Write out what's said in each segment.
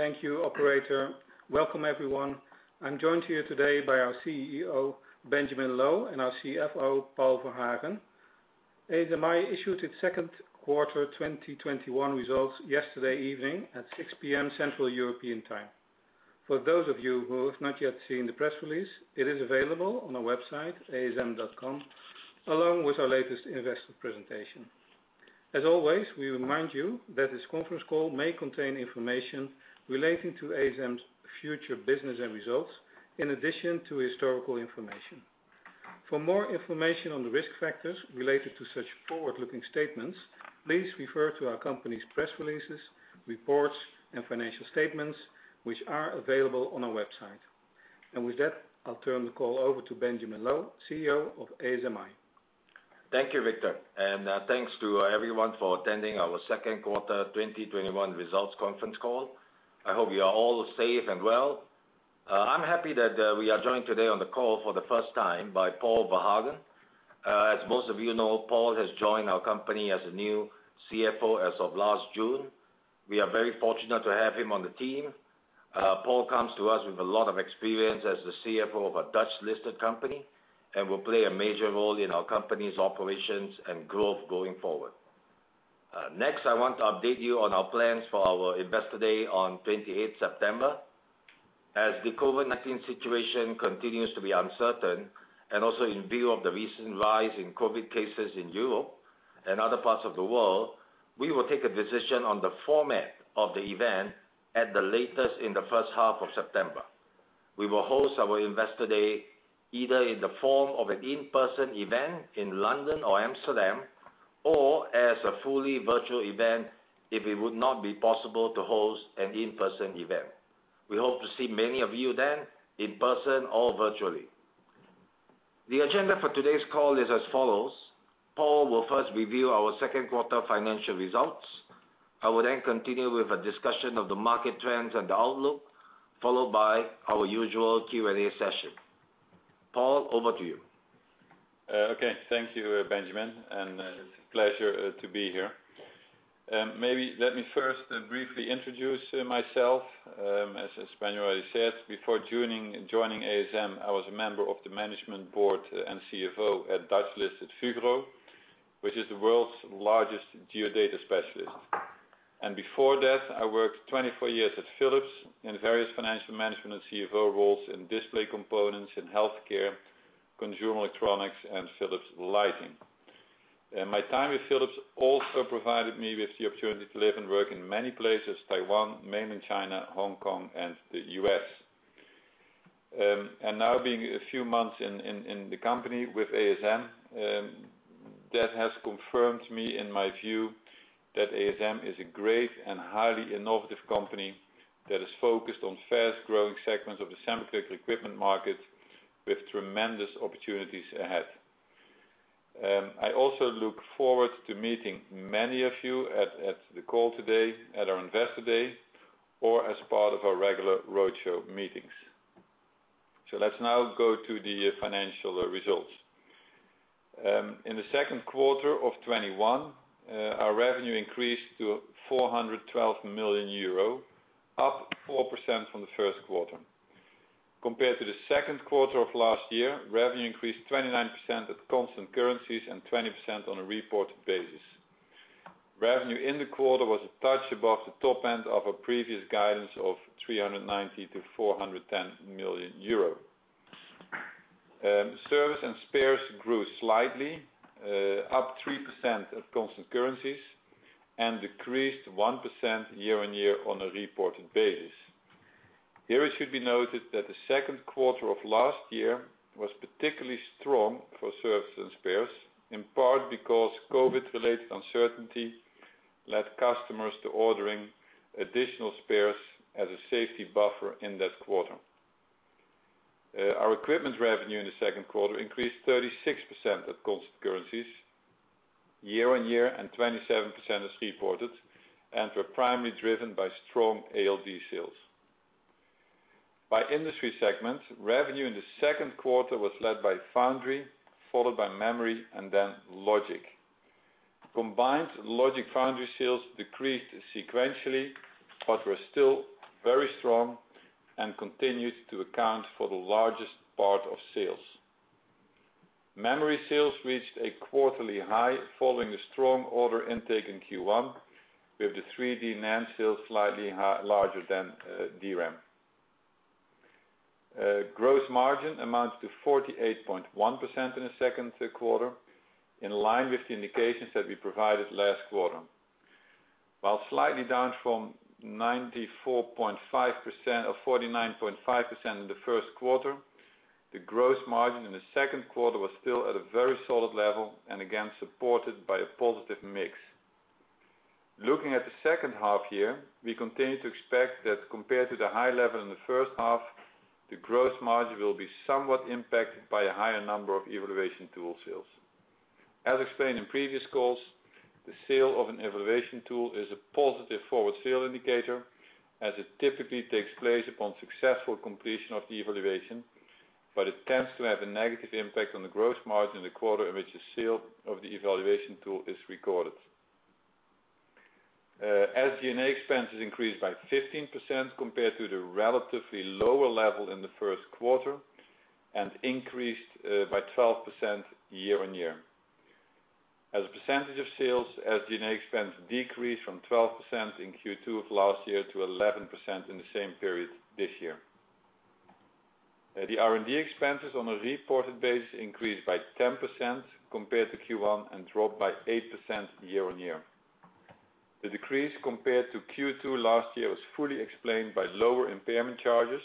Thank you operator. Welcome everyone. I'm joined here today by our CEO, Benjamin Loh, and our CFO, Paul Verhagen. ASMI issued its second quarter 2021 results yesterday evening at 6:00 P.M. Central European Time. For those of you who have not yet seen the press release, it is available on our website, asm.com, along with our latest investor presentation. As always, we remind you that this conference call may contain information relating to ASM's future business and results, in addition to historical information. For more information on the risk factors related to such forward-looking statements, please refer to our company's press releases, reports, and financial statements, which are available on our website. With that, I'll turn the call over to Benjamin Loh, CEO of ASMI. Thank you, Victor, and thanks to everyone for attending our second quarter 2021 results conference call. I hope you are all safe and well. I'm happy that we are joined today on the call for the first time by Paul Verhagen. As most of you know, Paul has joined our company as a new CFO as of last June. We are very fortunate to have him on the team. Paul comes to us with a lot of experience as the CFO of a Dutch-listed company, and will play a major role in our company's operations and growth going forward. Next, I want to update you on our plans for our Investor Day on 28 September. The COVID-19 situation continues to be uncertain, also in view of the recent rise in COVID cases in Europe and other parts of the world, we will take a decision on the format of the event at the latest in the first half of September. We will host our Investor Day, either in the form of an in-person event in London or Amsterdam, or as a fully virtual event if it would not be possible to host an in-person event. We hope to see many of you then in person or virtually. The agenda for today's call is as follows. Paul will first review our second quarter financial results. I will then continue with a discussion of the market trends and outlook, followed by our usual Q&A session. Paul, over to you. Okay. Thank you, Benjamin. It's a pleasure to be here. Maybe let me first briefly introduce myself. As Benjamin already said, before joining ASM, I was a member of the management board and CFO at Dutch-listed Fugro, which is the world's largest geodata specialist. Before that, I worked 24 years at Philips in various financial management and CFO roles in display components in healthcare, consumer electronics, and Philips Lighting. My time with Philips also provided me with the opportunity to live and work in many places, Taiwan, mainland China, Hong Kong, and the U.S. Now being a few months in the company with ASM, that has confirmed me in my view that ASM is a great and highly innovative company that is focused on fast-growing segments of the semiconductor equipment market with tremendous opportunities ahead. I also look forward to meeting many of you at the call today, at our Investor Day or as part of our regular roadshow meetings. Let's now go to the financial results. In the second quarter of 2021, our revenue increased to 412 million euro, up 4% from the first quarter. Compared to the second quarter of last year, revenue increased 29% at constant currencies and 20% on a reported basis. Revenue in the quarter was a touch above the top end of our previous guidance of 390 million-410 million euro. Service and spares grew slightly, up 3% at constant currencies, and decreased 1% year-on-year on a reported basis. Here, it should be noted that the second quarter of last year was particularly strong for service and spares, in part because COVID-related uncertainty led customers to ordering additional spares as a safety buffer in that quarter. Our equipment revenue in the second quarter increased 36% at constant currencies year-on-year, and 27% as reported, and were primarily driven by strong ALD sales. By industry segment, revenue in the second quarter was led by Foundry, followed by Memory, and then Logic. Combined Logic/Foundry sales decreased sequentially, but were still very strong and continued to account for the largest part of sales. Memory sales reached a quarterly high following the strong order intake in Q1, with the 3D NAND sales slightly larger than DRAM. Gross margin amounts to 48.1% in the second quarter, in line with the indications that we provided last quarter. While slightly down from 49.5% in the first quarter, the gross margin in the second quarter was still at a very solid level and again, supported by a positive mix. Looking at the second half year, we continue to expect that compared to the high level in the first half, the gross margin will be somewhat impacted by a higher number of evaluation tool sales. As explained in previous calls, the sale of an evaluation tool is a positive forward sale indicator, as it typically takes place upon successful completion of the evaluation. It tends to have a negative impact on the gross margin in the quarter in which the sale of the evaluation tool is recorded. SG&A expenses increased by 15% compared to the relatively lower level in the first quarter and increased by 12% year-on-year. As a percentage of sales, SG&A expenses decreased from 12% in Q2 of last year to 11% in the same period this year. The R&D expenses on a reported basis increased by 10% compared to Q1 and dropped by 8% year-on-year. The decrease compared to Q2 last year was fully explained by lower impairment charges,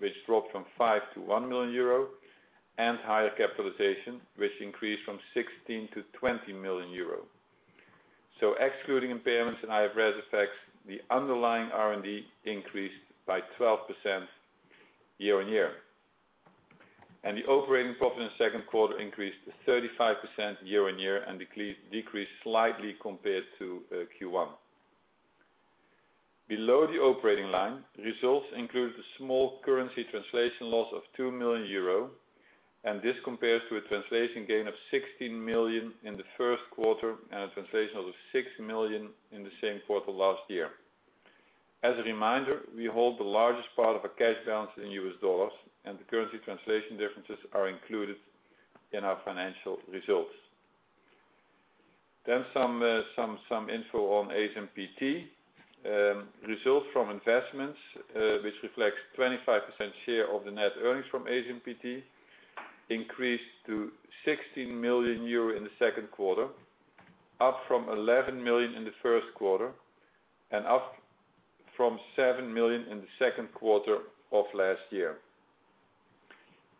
which dropped from 5 million-1 million euro and higher capitalization, which increased from 16 million-20 million euro. Excluding impairments and IFRS effects, the underlying R&D increased by 12% year-on-year. The operating profit in the second quarter increased 35% year-on-year and decreased slightly compared to Q1. Below the operating line, results included a small currency translation loss of 2 million euro. This compares to a translation gain of 16 million in the first quarter and a translation of 6 million in the same quarter last year. As a reminder, we hold the largest part of our cash balance in U.S. dollars. The currency translation differences are included in our financial results. Some info on ASMPT. Results from investments, which reflects 25% share of the net earnings from ASMPT, increased to 16 million euro in the second quarter, up from 11 million in the first quarter, and up from 7 million in the second quarter of last year.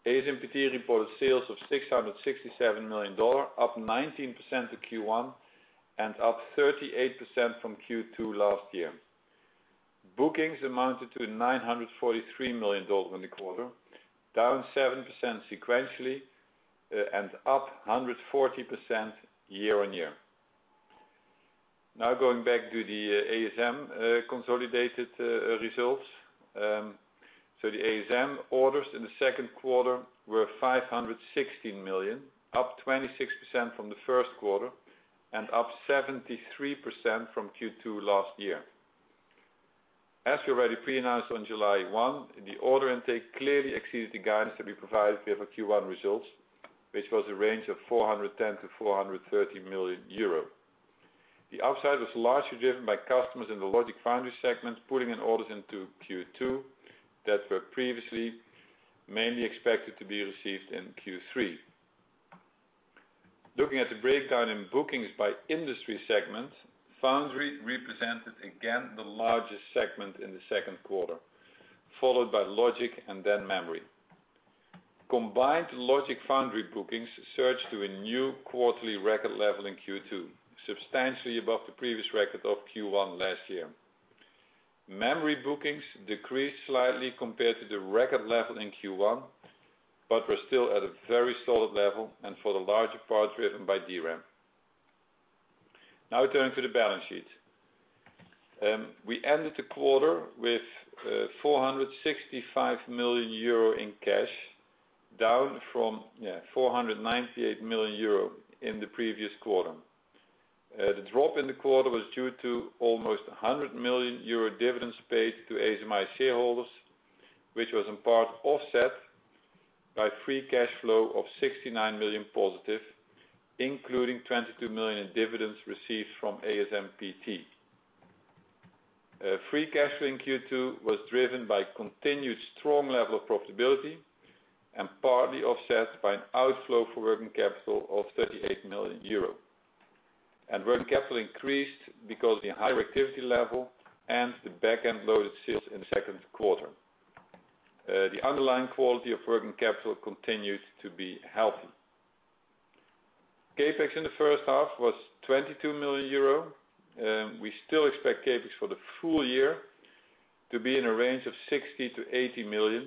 ASMPT reported sales of EUR 667 million, up 19% to Q1 and up 38% from Q2 last year. Bookings amounted to EUR 943 million in the quarter, down 7% sequentially and up 140% year-on-year. Going back to the ASM consolidated results. The ASM orders in the second quarter were 516 million, up 26% from the first quarter and up 73% from Q2 last year. As we already pre-announced on July 1, the order intake clearly exceeded the guidance that we provided with our Q1 results, which was a range of 410 million-430 million euro. The upside was largely driven by customers in the Logic/Foundry segments, pulling in orders into Q2 that were previously mainly expected to be received in Q3. Looking at the breakdown in bookings by industry segments, Foundry represented again the largest segment in the second quarter, followed by Logic and then Memory. Combined Logic/Foundry bookings surged to a new quarterly record level in Q2, substantially above the previous record of Q1 last year. Memory bookings decreased slightly compared to the record level in Q1, but were still at a very solid level and for the larger part, driven by DRAM. Now turning to the balance sheet. We ended the quarter with 465 million euro in cash, down from 498 million euro in the previous quarter. The drop in the quarter was due to almost 100 million euro dividends paid to ASMI shareholders, which was in part offset by free cash flow of 69 million positive, including 22 million in dividends received from ASMPT. Free cash flow in Q2 was driven by continued strong level of profitablity and partly offset by an outflow for working capital of 38 million euro. Working capital increased because of the higher activity level and the back-end loaded sales in the second quarter. The underlying quality of working capital continued to be healthy. CapEx in the first half was 22 million euro. We still expect CapEx for the full year to be in a range of 60 million-80 million,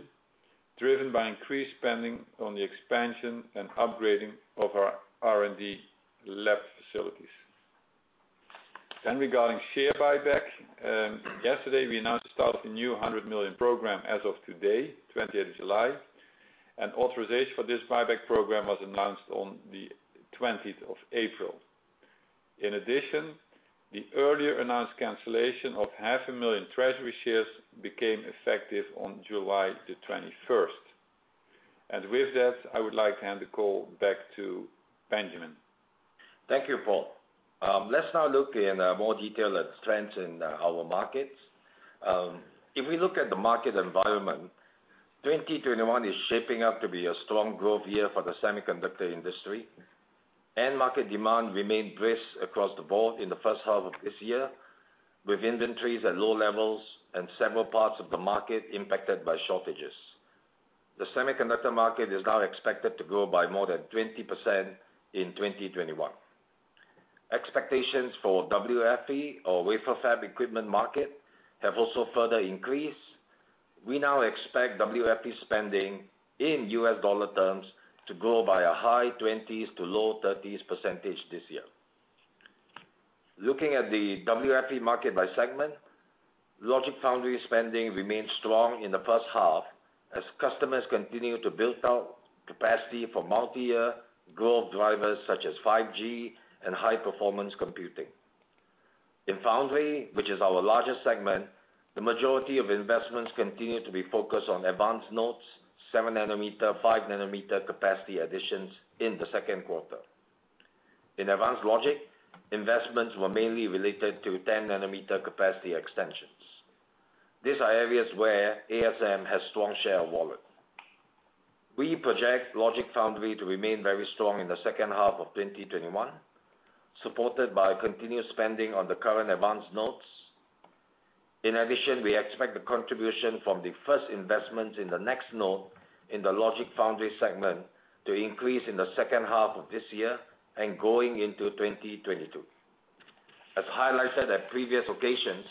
driven by increased spending on the expansion and upgrading of our R&D lab facilities. Regarding share buyback. Yesterday, we announced the start of a new 100 million program as of today, 20th of July, and authorization for this buyback program was announced on the 20th of April. In addition, the earlier announced cancellation of half a million treasury shares became effective on July the 2first. With that, I would like to hand the call back to Benjamin. Thank you, Paul. Let's now look in more detail at trends in our markets. If we look at the market environment, 2021 is shaping up to be a strong growth year for the semiconductor industry. End market demand remained brisk across the board in the first half of this year, with inventories at low levels and several parts of the market impacted by shortages. The semiconductor market is now expected to grow by more than 20% in 2021. Expectations for WFE, or wafer fab equipment market, have also further increased. We now expect WFE spending in U.S. dollar terms to grow by a high 20s to low 30s percentage this year. Looking at the WFE market by segment, Logic/Foundry spending remains strong in the first half as customers continue to build out capacity for multi-year growth drivers such as 5G and high-performance computing. In Foundry, which is our largest segment, the majority of investments continue to be focused on advanced nodes, 7 nm, 5 nm capacity additions in the second quarter. In advanced Logic, investments were mainly related to 10 nm capacity extensions. These are areas where ASM has strong share of wallet. We project Logic/Foundry to remain very strong in the second half of 2021, supported by continued spending on the current advanced nodes. In addition, we expect the contribution from the first investments in the next node in the Logic/Foundry segment to increase in the second half of this year and going into 2022. As highlighted at previous occasions,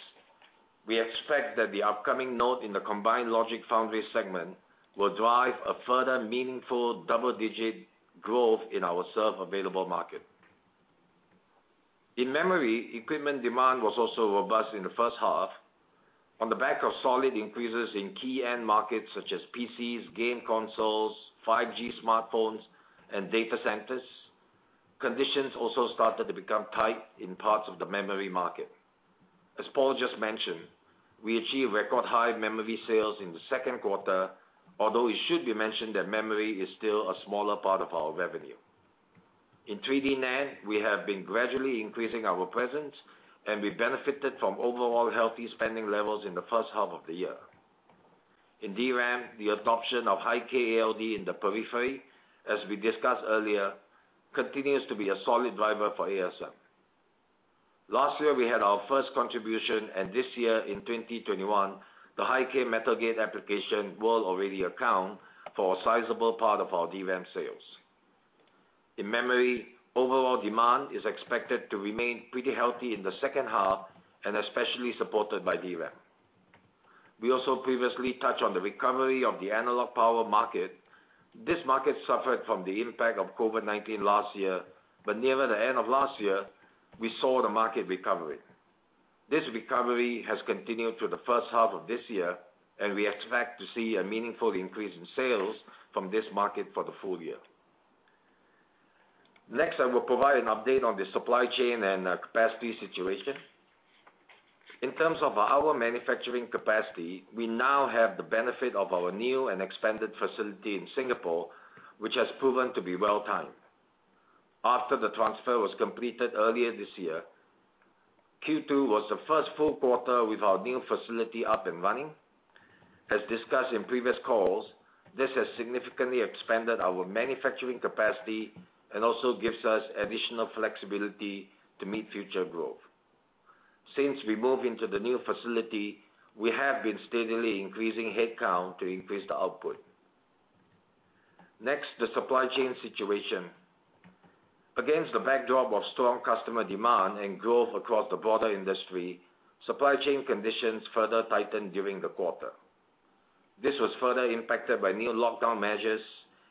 we expect that the upcoming node in the combined Logic/Foundry segment will drive a further meaningful double-digit growth in our serve available market. In Memory, equipment demand was also robust in the first half. On the back of solid increases in key end markets such as PCs, game consoles, 5G smartphones, and data centers, conditions also started to become tight in parts of the Memory market. As Paul just mentioned, we achieved record high Memory sales in the second quarter, although it should be mentioned that Memory is still a smaller part of our revenue. In 3D NAND, we have been gradually increasing our presence, and we benefited from overall healthy spending levels in the first half of the year. In DRAM, the adoption of High-k ALD in the periphery, as we discussed earlier, continues to be a solid driver for ASM. Last year, we had our first contribution, and this year in 2021, the High-k metal gate application will already account for a sizable part of our DRAM sales. In Memory, overall demand is expected to remain pretty healthy in the second half and especially supported by DRAM. We also previously touched on the recovery of the analog power market. This market suffered from the impact of COVID-19 last year, but nearer the end of last year, we saw the market recovering. This recovery has continued through the first half of this year, and we expect to see a meaningful increase in sales from this market for the full year. I will provide an update on the supply chain and capacity situation. In terms of our manufacturing capacity, we now have the benefit of our new and expanded facility in Singapore, which has proven to be well-timed. After the transfer was completed earlier this year, Q2 was the first full quarter with our new facility up and running. As discussed in previous calls, this has significantly expanded our manufacturing capacity and also gives us additional flexibility to meet future growth. Since we moved into the new facility, we have been steadily increasing headcount to increase the output. The supply chain situation. Against the backdrop of strong customer demand and growth across the broader industry, supply chain conditions further tightened during the quarter. This was further impacted by new lockdown measures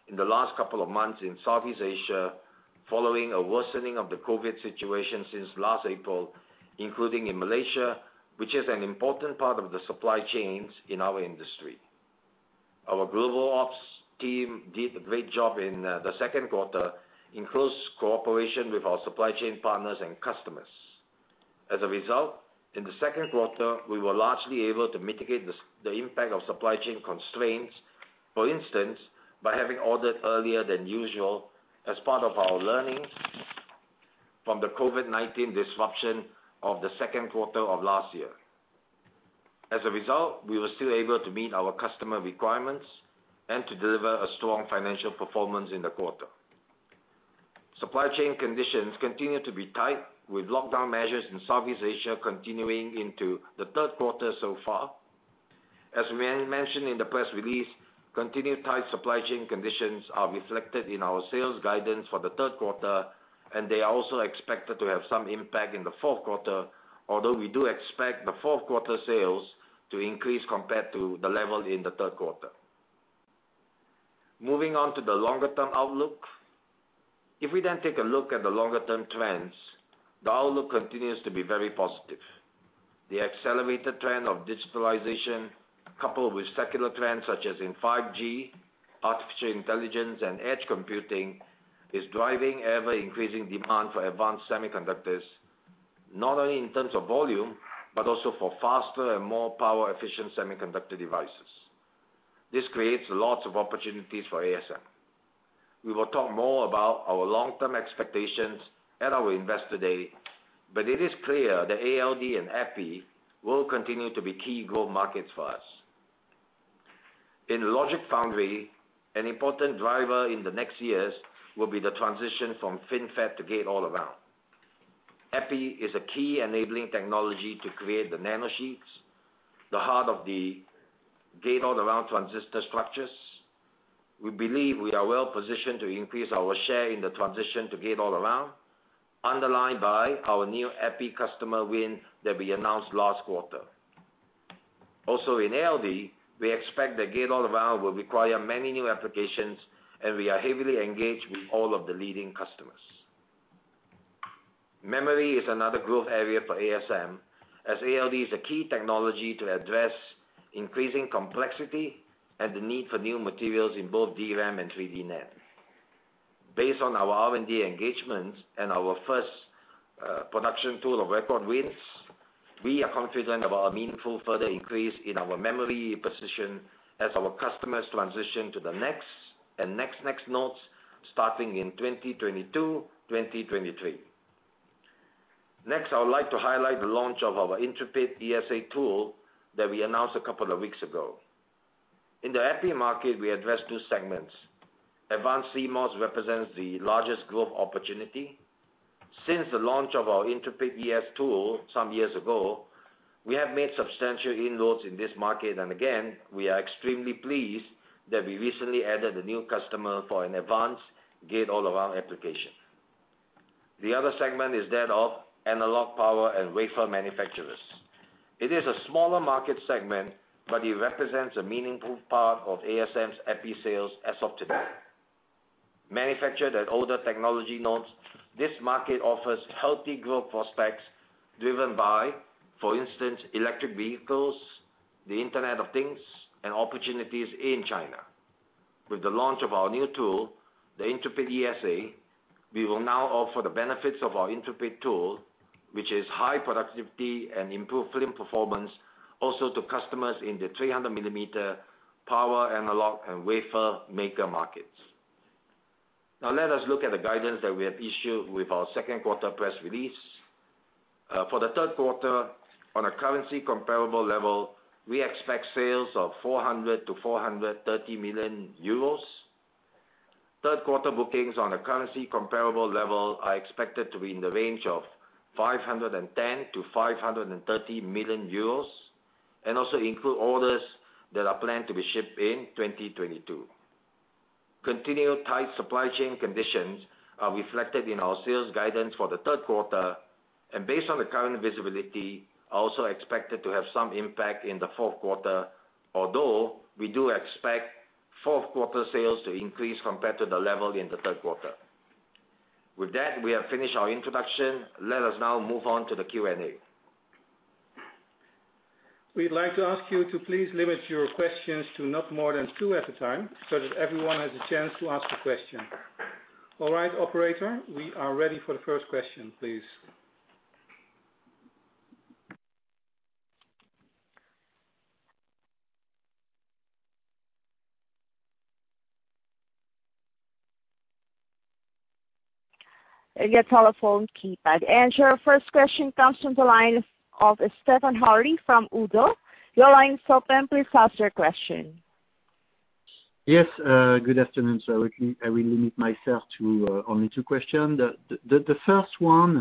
in the last couple of months in Southeast Asia, following a worsening of the COVID situation since last April, including in Malaysia, which is an important part of the supply chains in our industry. Our global ops team did a great job in the second quarter in close cooperation with our supply chain partners and customers. In the second quarter, we were largely able to mitigate the impact of supply chain constraints, for instance, by having ordered earlier than usual as part of our learnings from the COVID-19 disruption of the second quarter of last year. We were still able to meet our customer requirements and to deliver a strong financial performance in the quarter. Supply chain conditions continue to be tight, with lockdown measures in Southeast Asia continuing into the third quarter so far. As we mentioned in the press release, continued tight supply chain conditions are reflected in our sales guidance for the third quarter. They are also expected to have some impact in the fourth quarter, although we do expect the fourth quarter sales to increase compared to the level in the third quarter. Moving on to the longer-term outlook. If we take a look at the longer-term trends, the outlook continues to be very positive. The accelerated trend of digitalization, coupled with secular trends such as in 5G, artificial intelligence, and edge computing, is driving ever-increasing demand for advanced semiconductors, not only in terms of volume, but also for faster and more power-efficient semiconductor devices. This creates lots of opportunities for ASM. We will talk more about our long-term expectations at our Investor Day, it is clear that ALD and EPI will continue to be key growth markets for us. In Logic/Foundry, an important driver in the next years will be the transition from FinFET to gate-all-around. EPI is a key enabling technology to create the nanosheets, the heart of the gate-all-around transistor structures. We believe we are well positioned to increase our share in the transition to gate-all-around, underlined by our new EPI customer win that we announced last quarter. Also in ALD, we expect that gate-all-around will require many new applications, and we are heavily engaged with all of the leading customers. Memory is another growth area for ASM, as ALD is a key technology to address increasing complexity and the need for new materials in both DRAM and 3D NAND. Based on our R&D engagements and our first production tool-of-record wins, we are confident about a meaningful further increase in our Memory position as our customers transition to the next and next nodes, starting in 2022, 2023. Next, I would like to highlight the launch of our Intrepid ESA tool that we announced a couple of weeks ago. In the EPI market, we address two segments. Advanced CMOS represents the largest growth opportunity. Since the launch of our Intrepid ES tool some years ago, we have made substantial inroads in this market, and again, we are extremely pleased that we recently added a new customer for an advanced gate-all-around application. The other segment is that of analog power and wafer manufacturers. It is a smaller market segment, but it represents a meaningful part of ASM's EPI sales as of today. Manufactured at older technology nodes, this market offers healthy growth prospects driven by, for instance, electric vehicles, the Internet of Things, and opportunities in China. With the launch of our new tool, the Intrepid ESA, we will now offer the benefits of our Intrepid tool, which is high productivity and improved film performance, also to customers in the 300 mm power analog and wafer maker markets. Let us look at the guidance that we have issued with our second quarter press release. For the third quarter, on a currency comparable level, we expect sales of 400 million-430 million euros. Third quarter bookings on a currency comparable level are expected to be in the range of 510 million-530 million euros, and also include orders that are planned to be shipped in 2022. Continued tight supply chain conditions are reflected in our sales guidance for the third quarter, and based on the current visibility, are also expected to have some impact in the fourth quarter, although we do expect fourth quarter sales to increase compared to the level in the third quarter. We have finished our introduction. Let us now move on to the Q&A. We'd like to ask you to please limit your questions to not more than two at a time, so that everyone has a chance to ask a question. All right, operator, we are ready for the first question, please. Your first question comes from the line of Stéphane Houri from ODDO BHF. Your line's open. Please ask your question. Yes, good afternoon, sir. I will limit myself to only two question. The first one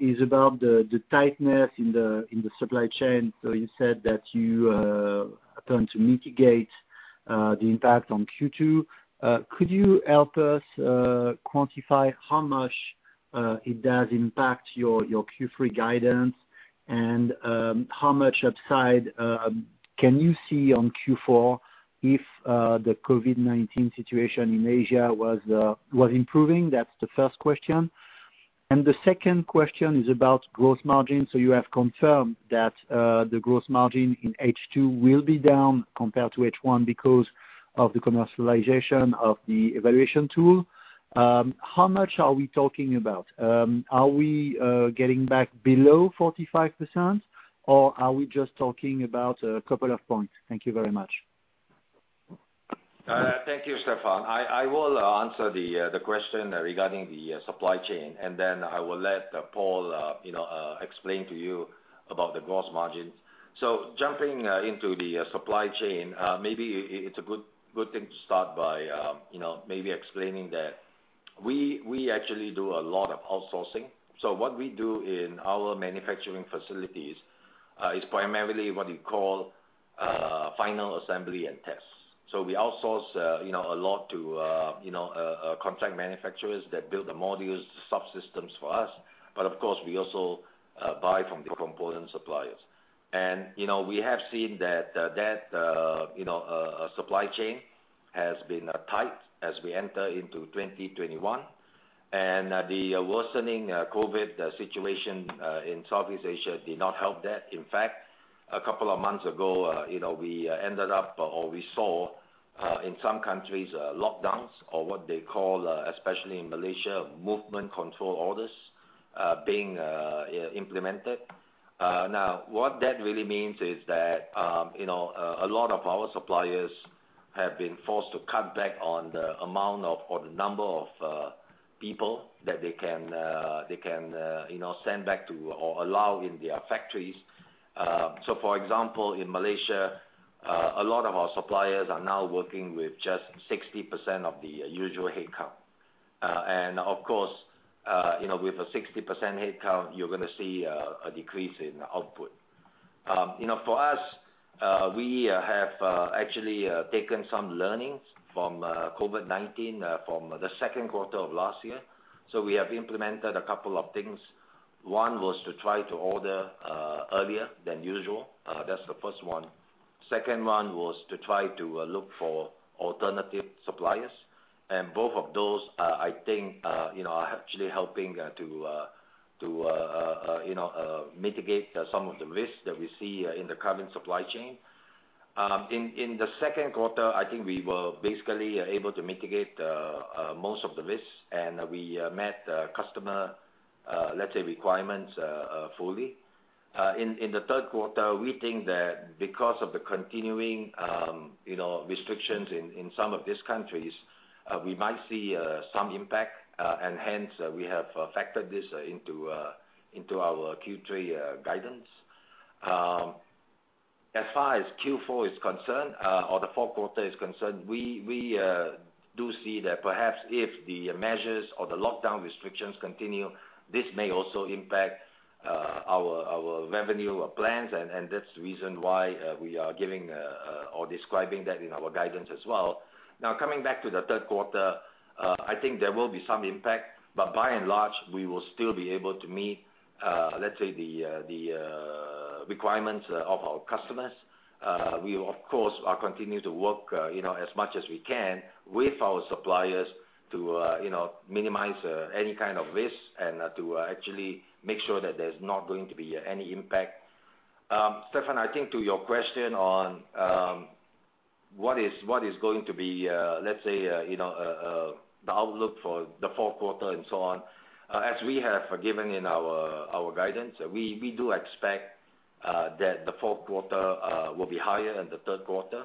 is about the tightness in the supply chain. You said that you are trying to mitigate the impact on Q2. Could you help us quantify how much it does impact your Q3 guidance, and how much upside can you see on Q4 if the COVID-19 situation in Asia was improving? That's the first question. The second question is about gross margin. You have confirmed that the gross margin in H2 will be down compared to H1 because of the commercialization of the evaluation tool. How much are we talking about? Are we getting back below 45% or are we just talking about a couple of points? Thank you very much. Thank you, Stéphane. I will answer the question regarding the supply chain. Then I will let Paul explain to you about the gross margin. Jumping into the supply chain, it's a good thing to start by explaining that we actually do a lot of outsourcing. What we do in our manufacturing facilities is primarily what you call final assembly and test. We outsource a lot to contract manufacturers that build the modules, the subsystems for us. Of course, we also buy from the component suppliers. We have seen that supply chain has been tight as we enter into 2021. The worsening COVID situation in Southeast Asia did not help that. In fact, a couple of months ago, we ended up, or saw, in some countries, lockdowns, or what they call, especially in Malaysia, movement control orders being implemented. What that really means is that a lot of our suppliers have been forced to cut back on the number of people that they can send back to or allow in their factories. For example, in Malaysia, a lot of our suppliers are now working with just 60% of the usual headcount. Of course, with a 60% headcount, you're going to see a decrease in output. For us, we have actually taken some learnings from COVID-19 from the second quarter of last year. We have implemented a couple of things. One was to try to order earlier than usual. That's the first one. Second one was to try to look for alternative suppliers. Both of those, I think, are actually helping to mitigate some of the risks that we see in the current supply chain. In the second quarter, I think we were basically able to mitigate most of the risks, and we met customer, let's say, requirements fully. In the third quarter, we think that because of the continuing restrictions in some of these countries, we might see some impact, and hence we have factored this into our Q3 guidance. As far as Q4 is concerned, or the fourth quarter is concerned, we do see that perhaps if the measures or the lockdown restrictions continue, this may also impact our revenue plans. That's the reason why we are giving or describing that in our guidance as well. Coming back to the third quarter, I think there will be some impact, but by and large, we will still be able to meet, let's say, the requirements of our customers. We, of course, are continuing to work as much as we can with our suppliers to minimize any kind of risk and to actually make sure that there's not going to be any impact. Stéphane, I think to your question on what is going to be, let's say, the outlook for the fourth quarter and so on. As we have given in our guidance, we do expect that the fourth quarter will be higher than the third quarter,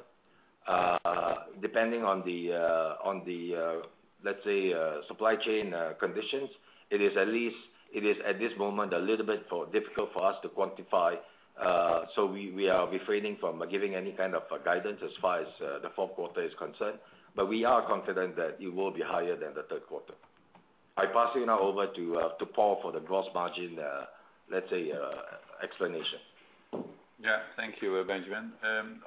depending on the, let's say, supply chain conditions. It is at this moment a little bit difficult for us to quantify, so we are refraining from giving any kind of guidance as far as the fourth quarter is concerned. We are confident that it will be higher than the third quarter. I pass it now over to Paul for the gross margin, let's say, explanation. Yeah. Thank you, Benjamin.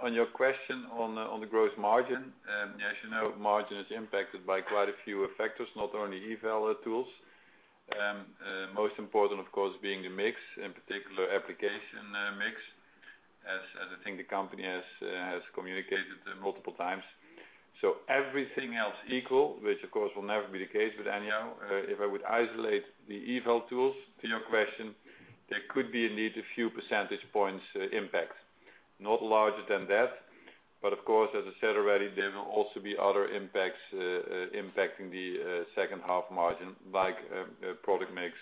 On your question on the gross margin, as you know, margin is impacted by quite a few factors, not only EPI tools. Most important, of course, being the mix, in particular application mix, as I think the company has communicated multiple times. Everything else equal, which of course will never be the case, but anyhow, if I would isolate the EPI tools to your question, there could be indeed a few percentage points impact. Not larger than that, but of course, as I said already, there will also be other impacts impacting the second half margin, like product mix,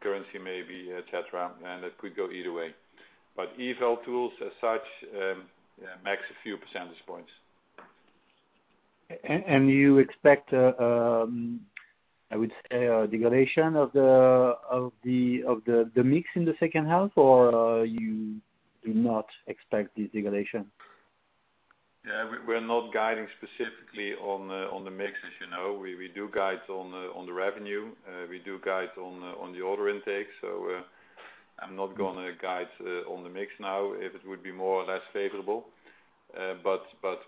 currency maybe, et cetera. It could go either way. EPI tools as such, max a few percentage points. You expect, I would say, a degradation of the mix in the second half, or you do not expect this degradation? Yeah, we're not guiding specifically on the mix, as you know. We do guide on the revenue. We do guide on the order intake. I'm not going to guide on the mix now, if it would be more or less favorable.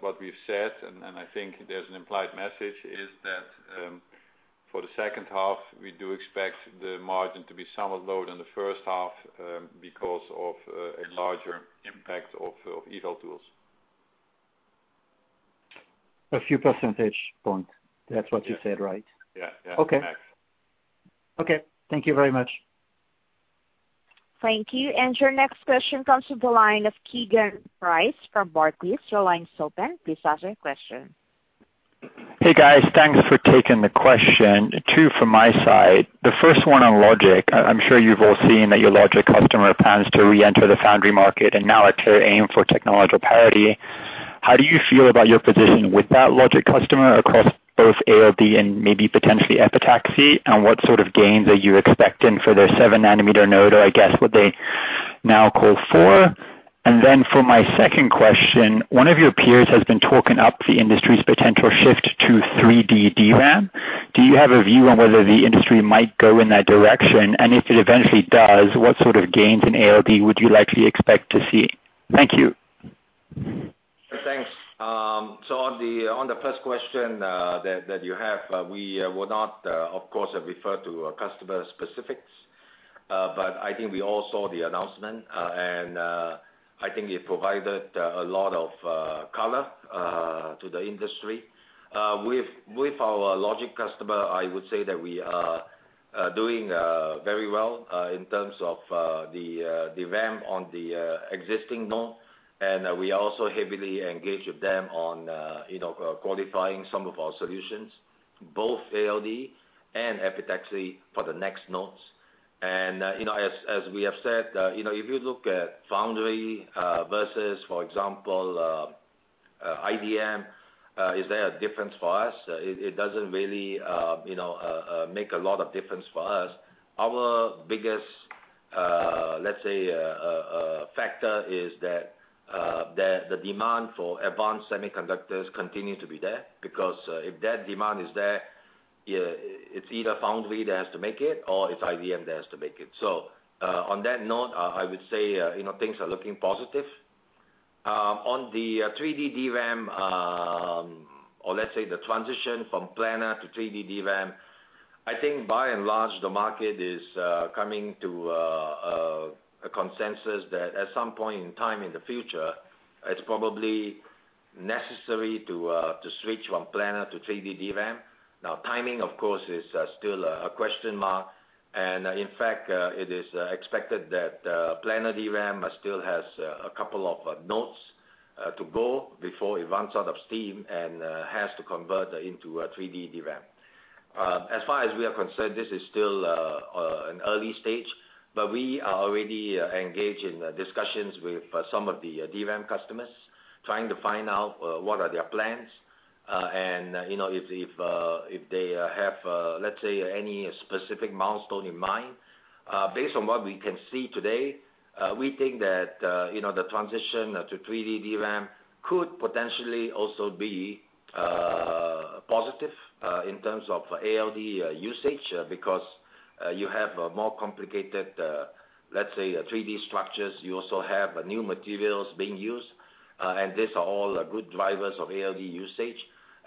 What we've said, and I think there's an implied message, is that for the second half, we do expect the margin to be somewhat lower than the first half because of a larger impact of EPI tools. A few percentage points. That's what you said, right? Yeah. Okay. Thank you very much. Thank you. Your next question comes to the line of Keagan Bryce from Barclays. Your line is open. Please ask your question. Hey, guys. Thanks for taking the question. Two from my side. The first one on Logic. I'm sure you've all seen that your Logic customer plans to reenter the Foundry market and now a clear aim for technological parity. How do you feel about your position with that Logic customer across both ALD and maybe potentially epitaxy? What sort of gains are you expecting for their 7 nm node, or I guess what they now call four? For my second question, one of your peers has been talking up the industry's potential shift to 3D DRAM. Do you have a view on whether the industry might go in that direction? If it eventually does, what sort of gains in ALD would you likely expect to see? Thank you. Thanks. On the first question that you have, we will not, of course, refer to customer specifics. I think we all saw the announcement, and I think it provided a lot of color to the industry. With our Logic customer, I would say that we are doing very well in terms of the ramp on the existing node. We are also heavily engaged with them on qualifying some of our solutions, both ALD and epitaxy for the next nodes. As we have said, if you look at Foundry versus, for example, IDM, is there a difference for us? It doesn't really make a lot of difference for us. Our biggest, let's say, factor is that the demand for advanced semiconductors continue to be there, because if that demand is there, it's either Foundry that has to make it or it's IDM that has to make it. On that note, I would say things are looking positive. On the 3D DRAM. Or let's say the transition from planar to 3D DRAM. I think by and large, the market is coming to a consensus that at some point in time in the future, it's probably necessary to switch from planar to 3D DRAM. Timing, of course, is still a question mark. In fact, it is expected that planar DRAM still has a couple of nodes to go before it runs out of steam and has to convert into a 3D DRAM. As far as we are concerned, this is still an early stage, but we are already engaged in discussions with some of the DRAM customers trying to find out what are their plans, and if they have, let's say, any specific milestone in mind. Based on what we can see today, we think that the transition to 3D DRAM could potentially also be positive in terms of ALD usage, because you have more complicated, let's say, 3D structures. You also have new materials being used. These are all good drivers of ALD usage.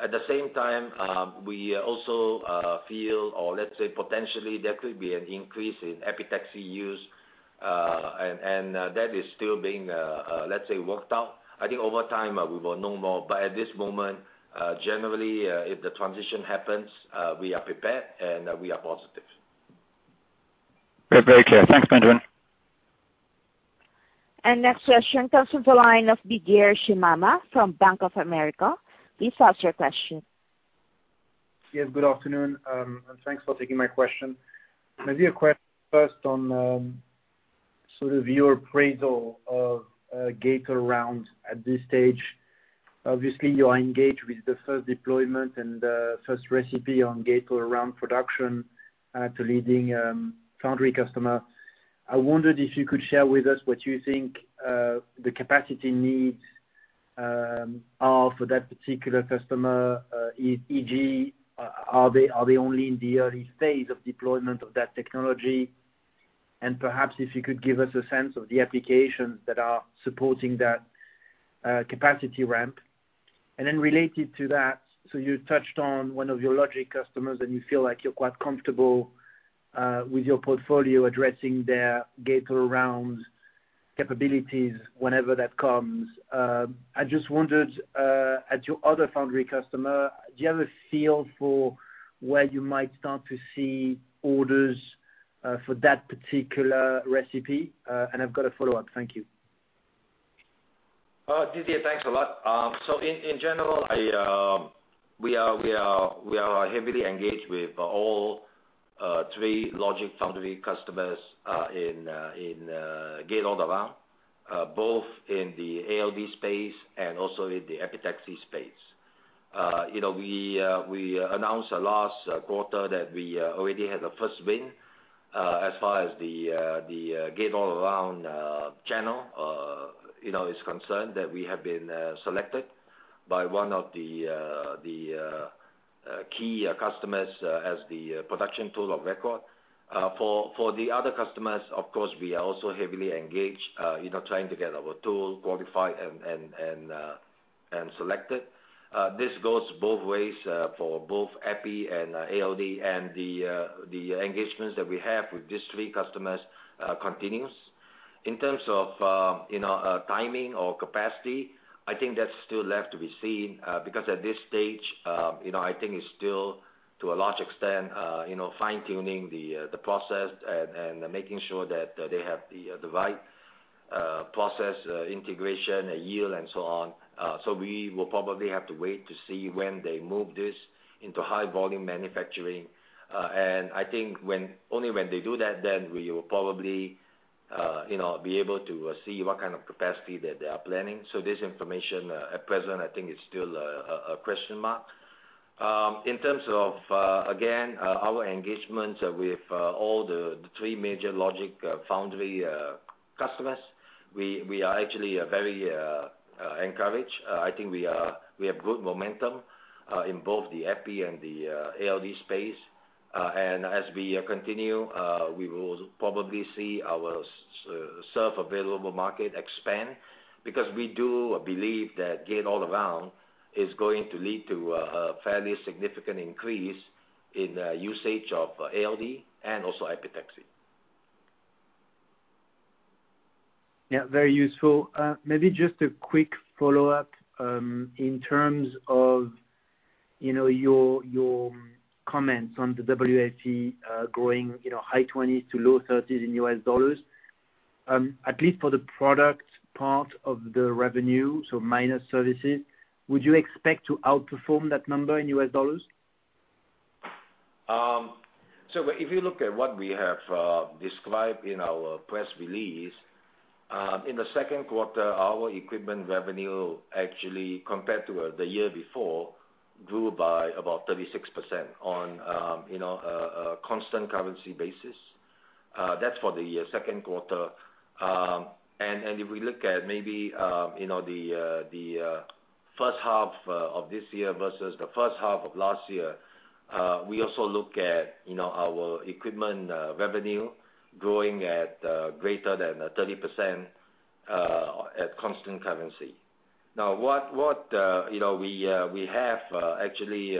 At the same time, we also feel, or let's say, potentially there could be an increase in epitaxy use, and that is still being, let's say, worked out. I think over time, we will know more. At this moment, generally, if the transition happens, we are prepared, and we are positive. Very clear. Thanks, Benjamin. Next question comes from the line of Didier Scemama from Bank of America. Please ask your question. Good afternoon, and thanks for taking my question. A question first on sort of your appraisal of gate-all-around at this stage. You are engaged with the first deployment and the first recipe on gate-all-around production to leading Foundry customer. I wondered if you could share with us what you think the capacity needs are for that particular customer, e.g., are they only in the early phase of deployment of that technology? Perhaps if you could give us a sense of the applications that are supporting that capacity ramp. Related to that, you touched on one of your Logic customers, and you feel like you're quite comfortable with your portfolio addressing their gate-all-around capabilities whenever that comes. I just wondered, at your other Foundry customer, do you have a feel for where you might start to see orders for that particular recipe? I've got a follow-up. Thank you. Didier, thanks a lot. In general, we are heavily engaged with all three Logic/Foundry customers in gate-all-around, both in the ALD space and also in the epitaxy space. We announced last quarter that we already had the first win as far as the gate-all-around channel is concerned, that we have been selected by one of the key customers as the production tool of record. For the other customers, of course, we are also heavily engaged, trying to get our tool qualified and selected. This goes both ways for both EPI and ALD, the engagements that we have with these three customers continues. In terms of timing or capacity, I think that's still left to be seen, at this stage I think it's still, to a large extent, fine-tuning the process and making sure that they have the right process integration, yield, and so on. We will probably have to wait to see when they move this into high volume manufacturing. I think only when they do that, then we will probably be able to see what kind of capacity that they are planning. This information at present, I think, is still a question mark. In terms of, again, our engagements with all the three major Logic/Foundry customers, we are actually very encouraged. I think we have good momentum in both the EPI and the ALD space. As we continue, we will probably see our served available market expand, because we do believe that gate-all-around is going to lead to a fairly significant increase in usage of ALD and also epitaxy. Yeah, very useful. Maybe just a quick follow-up, in terms of your comments on the WFE growing high 20s to low 30s in U.S. dollars. At least for the product part of the revenue, so minus services, would you expect to outperform that number in U.S. dollars? If you look at what we have described in our press release, in the second quarter, our equipment revenue actually, compared to the year before, grew by about 36% on a constant currency basis. That's for the second quarter. If we look at maybe the first half of this year versus the first half of last year, we also look at our equipment revenue growing at greater than 30% at constant currency. What we have actually,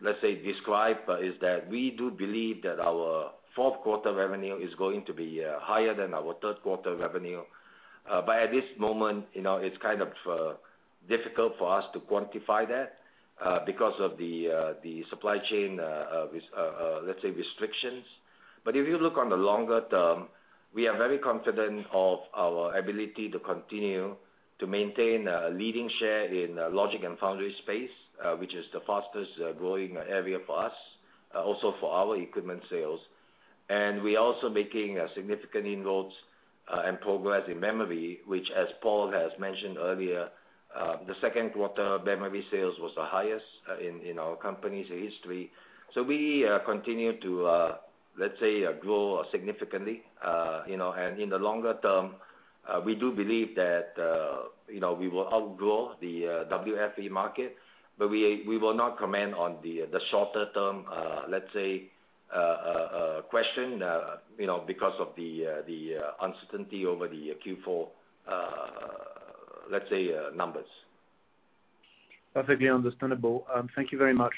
let's say, described is that we do believe that our fourth quarter revenue is going to be higher than our third quarter revenue. At this moment, it's difficult for us to quantify that because of the supply chain, let's say restrictions. If you look on the longer term, we are very confident of our ability to continue to maintain a leading share in Logic and Foundry space, which is the fastest-growing area for us, also for our equipment sales. We also making significant inroads, and progress in Memory, which as Paul has mentioned earlier, the second quarter Memory sales was the highest in our company's history. We continue to, let's say, grow significantly. In the longer term, we do believe that we will outgrow the WFE market, but we will not comment on the shorter term, let's say, question because of the uncertainty over the Q4, let's say, numbers. Perfectly understandable. Thank you very much.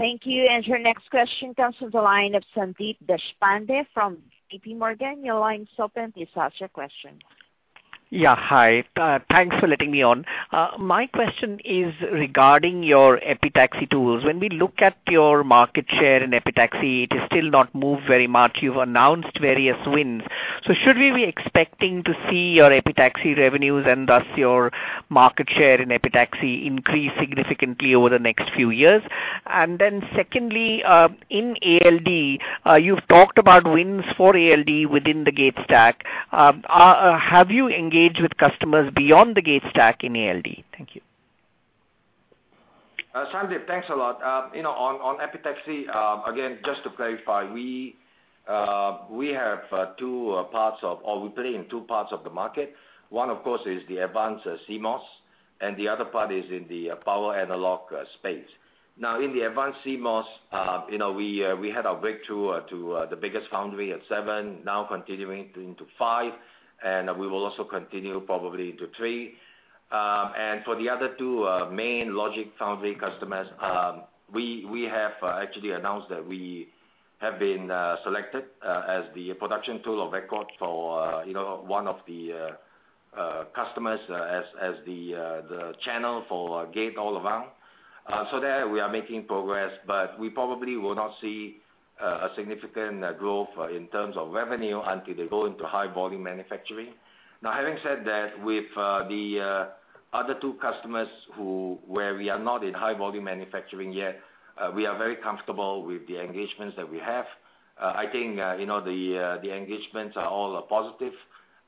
Thank you. Your next question comes from the line of Sandeep Deshpande from JPMorgan. Your line is open. Please ask your question. Yeah. Hi. Thanks for letting me on. My question is regarding your epitaxy tools. When we look at your market share in epitaxy, it is still not moved very much. You've announced various wins. Should we be expecting to see your epitaxy revenues and thus your market share in epitaxy increase significantly over the next few years? Secondly, in ALD, you've talked about wins for ALD within the gate stack. Have you engaged with customers beyond the gate stack in ALD? Thank you. Sandeep, thanks a lot. On epitaxy, again, just to clarify, we play in two parts of the market. One, of course, is the advanced CMOS, and the other part is in the power analog space. In the advanced CMOS, we had our breakthrough to the biggest Foundry at seven, now continuing into five, and we will also continue probably into three. For the other two main Logic/Foundry customers, we have actually announced that we have been selected as the production tool of record for one of the customers as the channel for gate-all-around. There we are making progress, but we probably will not see a significant growth in terms of revenue until they go into high volume manufacturing. Now, having said that, with the other two customers where we are not in high volume manufacturing yet, we are very comfortable with the engagements that we have. I think the engagements are all positive,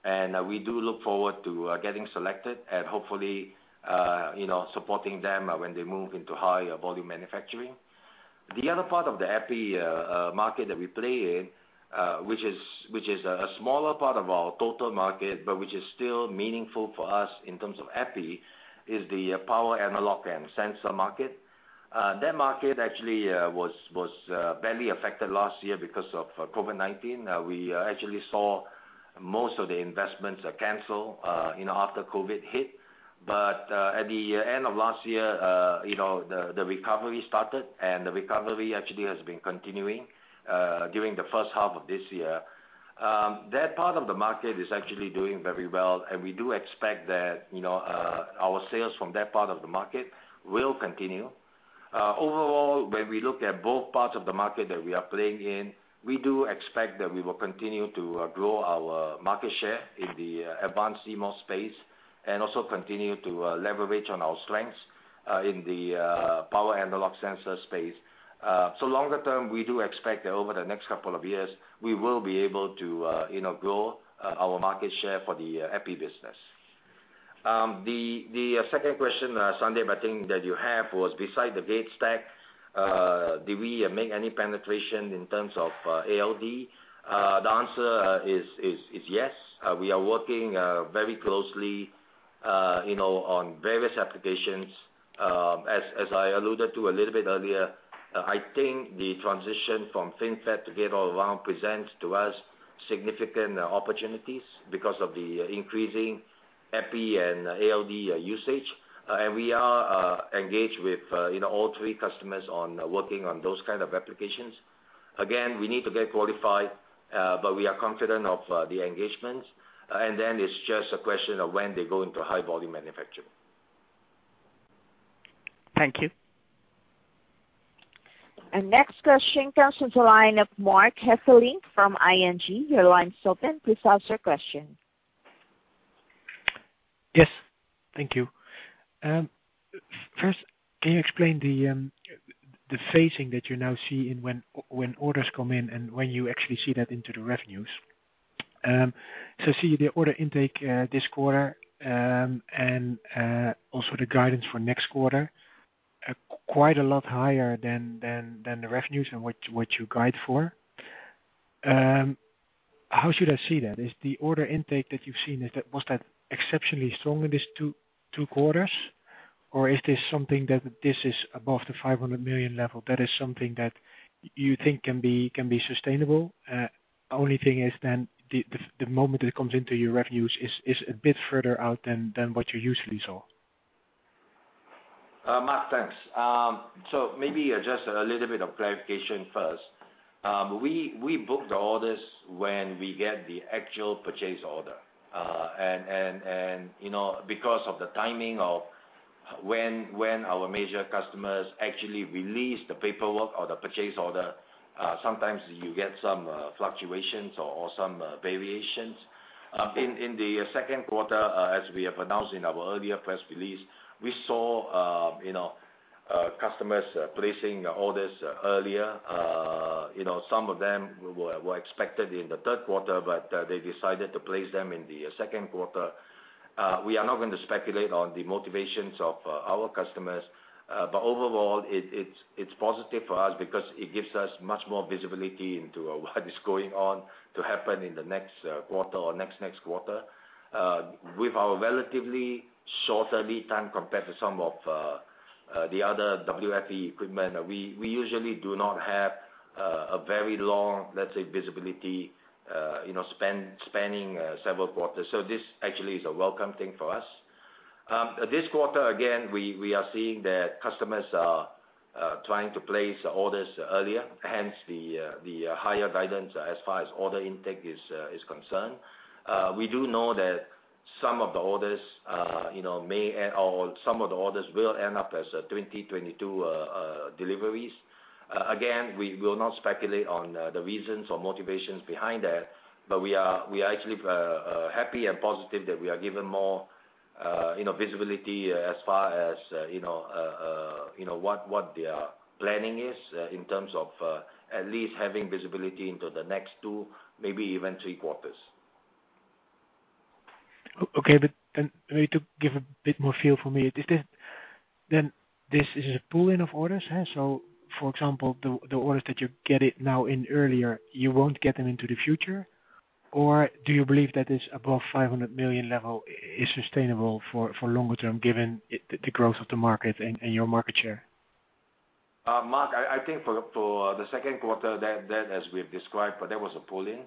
and we do look forward to getting selected and hopefully supporting them when they move into higher volume manufacturing. The other part of the EPI market that we play in, which is a smaller part of our total market, but which is still meaningful for us in terms of EPI, is the power, analog, and sensor market. That market actually was badly affected last year because of COVID-19. We actually saw most of the investments cancel after COVID hit. At the end of last year, the recovery started, and the recovery actually has been continuing during the first half of this year. That part of the market is actually doing very well. We do expect that our sales from that part of the market will continue. Overall, when we look at both parts of the market that we are playing in, we do expect that we will continue to grow our market share in the advanced CMOS space and also continue to leverage on our strengths in the power analog sensor space. Longer term, we do expect that over the next couple of years we will be able to grow our market share for the EPI business. The second question, Sandeep, I think that you have was beside the gate stack, did we make any penetration in terms of ALD? The answer is yes. We are working very closely on various applications. As I alluded to a little bit earlier, I think the transition from FinFET to gate-all-around presents to us significant opportunities because of the increasing EPI and ALD usage. We are engaged with all 3 customers on working on those kind of applications. Again, we need to get qualified, but we are confident of the engagements. Then it's just a question of when they go into High-Volume Manufacturing. Thank you. Next question comes from the line of Marc Hesselink from ING. Your line is open. Please ask your question. Yes. Thank you. First, can you explain the phasing that you now see in when orders come in and when you actually see that into the revenues? See the order intake this quarter, and also the guidance for next quarter are quite a lot higher than the revenues and what you guide for. How should I see that? Is the order intake that you've seen, was that exceptionally strong in these two quarters? Is this something that this is above the 500 million level, that is something that you think can be sustainable? Only thing is then the moment it comes into your revenues is a bit further out than what you usually saw. Marc, thanks. Maybe just a little bit of clarification first. We book the orders when we get the actual purchase order. Because of the timing of when our major customers actually release the paperwork or the purchase order, sometimes you get some fluctuations or some variations. In the second quarter, as we have announced in our earlier press release, we saw customers placing orders earlier. Some of them were expected in the third quarter, but they decided to place them in the second quarter. We are not going to speculate on the motivations of our customers. Overall, it's positive for us because it gives us much more visibility into what is going on to happen in the next quarter or next quarter. With our relatively shorter lead time compared to some of the other WFE equipment, we usually do not have a very long, let's say, visibility spanning several quarters. This actually is a welcome thing for us. This quarter, again, we are seeing that customers are trying to place orders earlier, hence the higher guidance as far as order intake is concerned. We do know that some of the orders will end up as 2022 deliveries. Again, we will not speculate on the reasons or motivations behind that, but we are actually happy and positive that we are given more visibility as far as what their planning is in terms of at least having visibility into the next two, maybe even three quarters. Okay. Maybe to give a bit more feel for me, this is a pull-in of orders. For example, the orders that you're getting now in earlier, you won't get them into the future? Do you believe that this above 500 million level is sustainable for longer term, given the growth of the market and your market share? Marc, I think for the second quarter, that as we've described, that was a pull-in.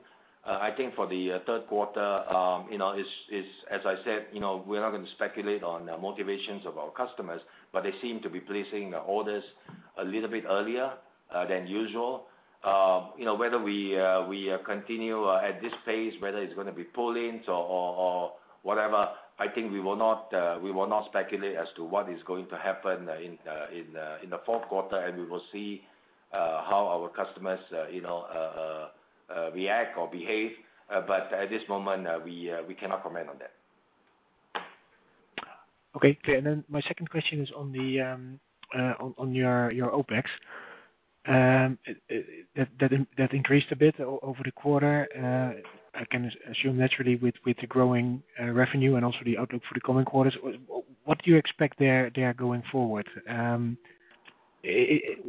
I think for the third quarter, as I said, they seem to be placing orders a little bit earlier than usual. Whether we continue at this pace, whether it's going to be pull-ins or whatever, I think we will not speculate as to what is going to happen in the fourth quarter, we will see how our customers react or behave. At this moment, we cannot comment on that. Okay. My second question is on your OpEx. That increased a bit over the quarter. I can assume naturally with the growing revenue and also the outlook for the coming quarters. What do you expect there going forward?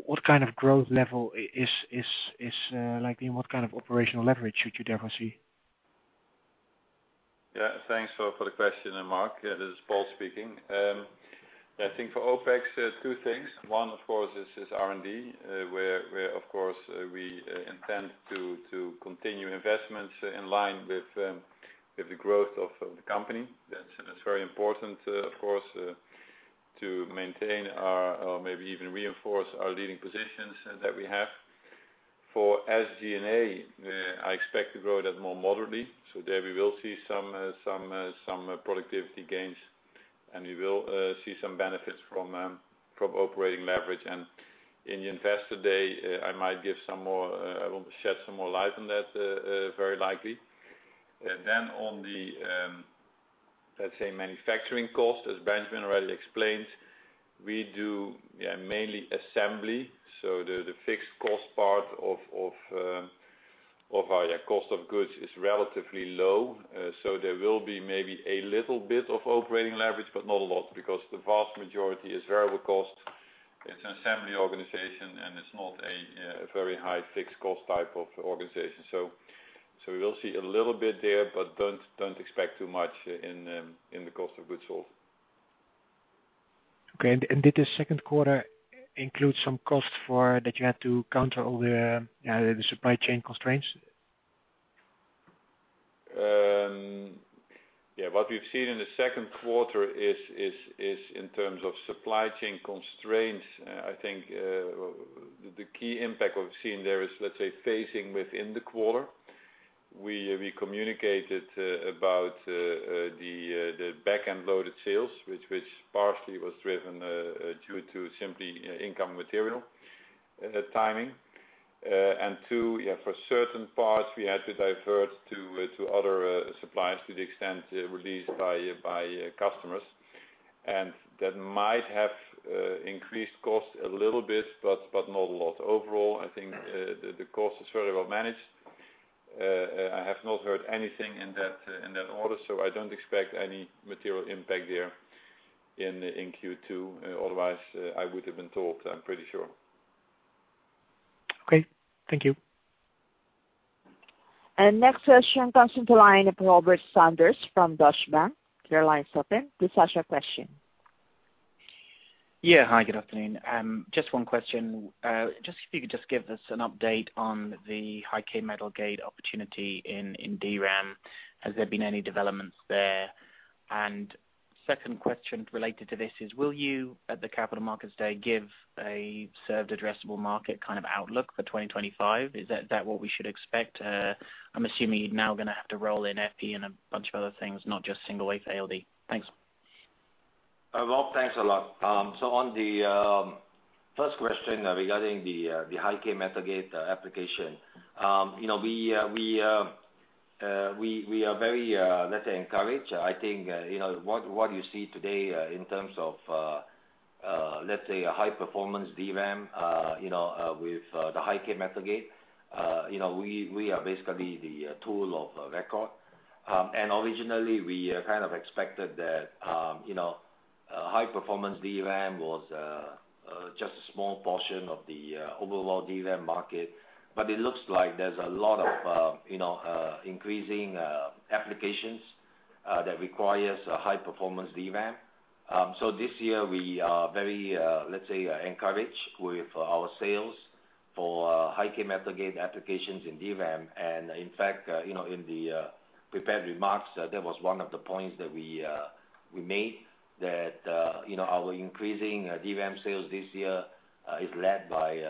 What kind of growth level is likely and what kind of operational leverage should you therefore see? Thanks for the question, Marc. This is Paul speaking. I think for OpEx, there's two things. One, of course, is R&D, where of course, we intend to continue investments in line with the growth of the company. That is very important, of course, to maintain or maybe even reinforce our leading positions that we have. For SG&A, I expect to grow that more moderately. There we will see some productivity gains, and we will see some benefits from operating leverage. In the Investor Day, I might shed some more light on that, very likely. On the, let's say, manufacturing cost, as Benjamin already explained, we do mainly assembly. The fixed cost part of our cost of goods is relatively low. There will be maybe a little bit of operating leverage, but not a lot because the vast majority is variable cost. It's an assembly organization, and it's not a very high fixed cost type of organization. We will see a little bit there, but don't expect too much in the cost of goods sold. Okay. Did the second quarter include some cost for that you had to counter all the supply chain constraints? Yeah. What we've seen in the second quarter is in terms of supply chain constraints, I think, the key impact we've seen there is, let's say, phasing within the quarter. We communicated about the back-end loaded sales, which partially was driven due to simply incoming material timing. two, for certain parts, we had to divert to other suppliers to the extent released by customers. That might have increased cost a little bit, but not a lot. Overall, I think, the cost is very well managed. I have not heard anything in that order. I don't expect any material impact there in Q2. Otherwise, I would have been told, I'm pretty sure. Okay, thank you. Next question comes in the line of Robert Sanders from Deutsche Bank. Yeah. Hi, good afternoon. Just one question. If you could just give us an update on the High-k metal gate opportunity in DRAM. Has there been any developments there? Second question related to this is, will you at the Capital Markets Day give a served addressable market kind of outlook for 2025? Is that what we should expect? I'm assuming you're now going to have to roll in EPI and a bunch of other things, not just single-wafer ALD. Thanks. Rob, thanks a lot. On the first question regarding the High-k metal gate application, we are very, let's say, encouraged. I think, what you see today in terms of, let's say, a high performance DRAM with the High-k metal gate, we are basically the tool of record. Originally, we kind of expected that high performance DRAM was just a small portion of the overall DRAM market. It looks like there's a lot of increasing applications that requires a high performance DRAM. This year we are very, let's say, encouraged with our sales for High-k metal gate applications in DRAM. In fact, in the prepared remarks, that was one of the points that we made that our increasing DRAM sales this year is led by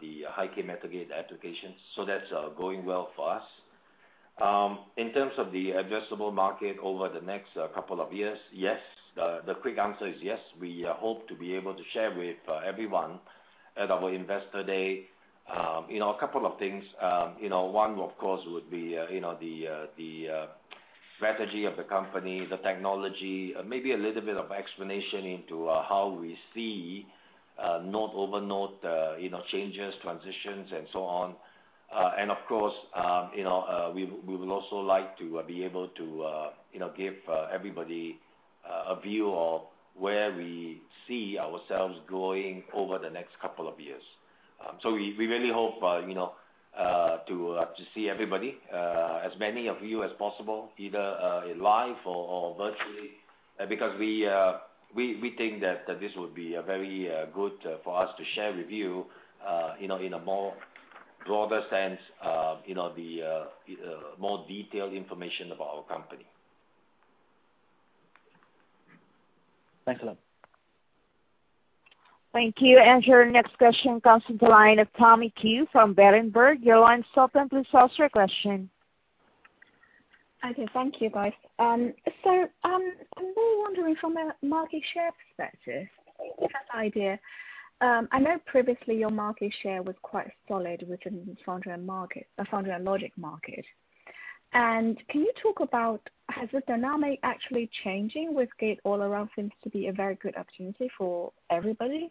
the High-k metal gate applications. That's going well for us. In terms of the addressable market over the next couple of years, yes. The quick answer is yes, we hope to be able to share with everyone at our Investor Day a couple of things. One, of course, would be the strategy of the company, the technology, maybe a little bit of explanation into how we see node-over-node changes, transitions, and so on. Of course, we will also like to be able to give everybody a view of where we see ourselves going over the next couple of years. We really hope to see everybody, as many of you as possible, either live or virtually, because we think that this would be very good for us to share with you in a more broader sense the more detailed information about our company. Thanks a lot. Thank you. Your next question comes in the line of Tammy Qiu from Berenberg. Your line's open. Please ask your question. Okay. Thank you, guys. I'm more wondering from a market share perspective to get an idea. I know previously your market share was quite solid within the Foundry and Logic market. Can you talk about, has the dynamic actually changing with gate-all-around seems to be a very good opportunity for everybody?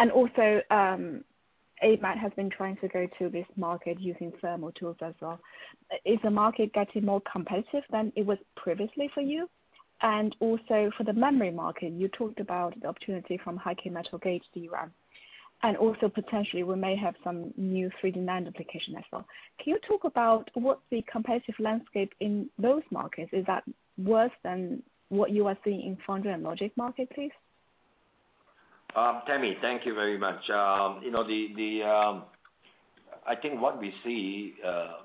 AMAT has been trying to go to this market using thermal tools as well. Is the market getting more competitive than it was previously for you? For the Memory market, you talked about the opportunity from High-k metal gate DRAM, and also potentially we may have some new 3D NAND application as well. Can you talk about what the competitive landscape in those markets, is that worse than what you are seeing in Foundry and Logic market, please? Tammy, thank you very much. I think what we see,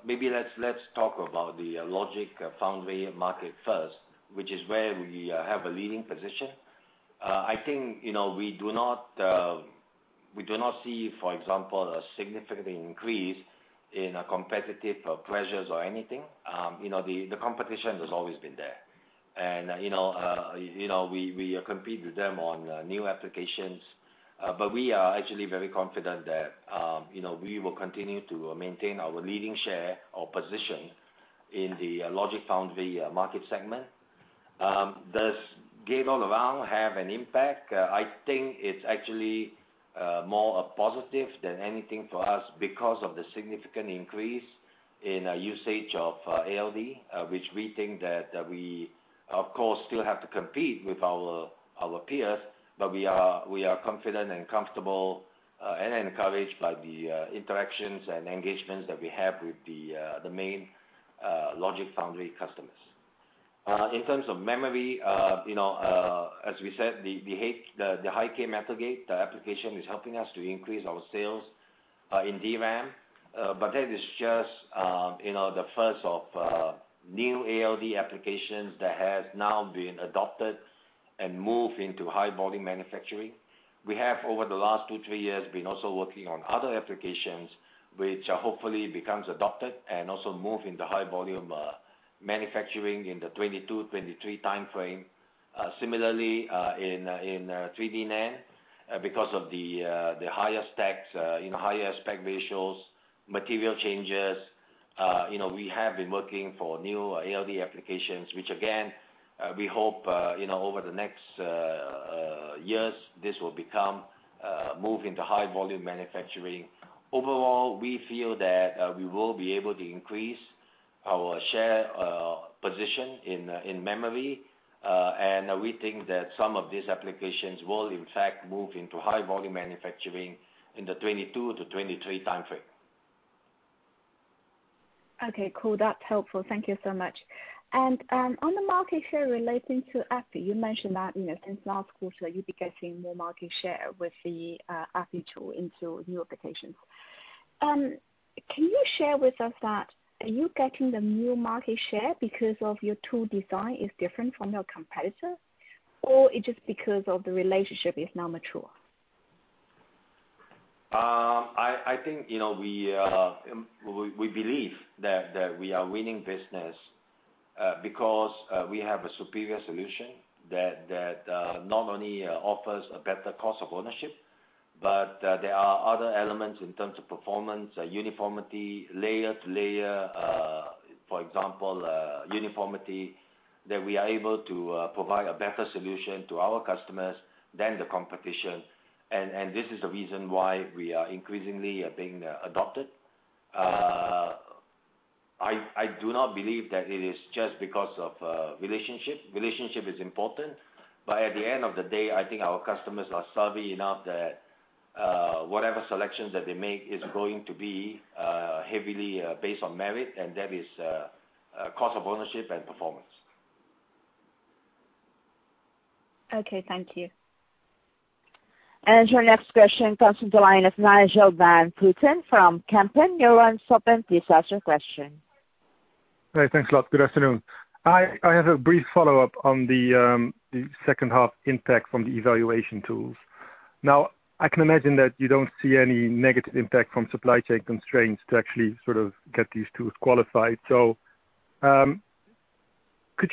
maybe let's talk about the Logic/Foundry market first, which is where we have a leading position. I think we do not see, for example, a significant increase in competitive pressures or anything. The competition has always been there. And we compete with them on new applications. But we are actually very confident that we will continue to maintain our leading share or position in the Logic/Foundry market segment. Does gate-all-around have an impact? I think it is actually more a positive than anything for us because of the significant increase in usage of ALD, which we think that we, of course, still have to compete with our peers, but we are confident and comfortable and encouraged by the interactions and engagements that we have with the main Logic/Foundry customers. In terms of Memory, as we said, the High-k metal gate application is helping us to increase our sales in DRAM, but that is just the first of new ALD applications that has now been adopted and move into high volume manufacturing. We have over the last two, three years, been also working on other applications which hopefully becomes adopted and also move into high volume manufacturing in the 2022-2023 timeframe. Similarly, in 3D NAND because of the higher stacks, higher stack ratios, material changes, we have been working for new ALD applications, which again we hope over the next years this will move into high volume manufacturing. Overall, we feel that we will be able to increase our share position in Memory. We think that some of these applications will in fact move into high volume manufacturing in the 2022-2023 time frame. Okay, cool. That's helpful. Thank you so much. On the market share relating to EPI, you mentioned that, since last quarter you'd be getting more market share with the EPI tool into new applications. Can you share with us that, are you getting the new market share because of your tool design is different from your competitor, or it's just because of the relationship is now mature? I think we believe that we are winning business because we have a superior solution that not only offers a better cost of ownership, but there are other elements in terms of performance, uniformity, layer-to-layer for example, uniformity that we are able to provide a better solution to our customers than the competition. This is the reason why we are increasingly being adopted. I do not believe that it is just because of relationship. Relationship is important, but at the end of the day, I think our customers are savvy enough that whatever selections that they make is going to be heavily based on merit, and that is cost of ownership and performance. Okay, thank you. Your next question comes from the line of Nigel van Putten from Kempen. Your line's open. Please ask your question. Hey, thanks a lot. Good afternoon. I have a brief follow-up on the second half impact from the evaluation tools. I can imagine that you don't see any negative impact from supply chain constraints to actually sort of get these tools qualified. Could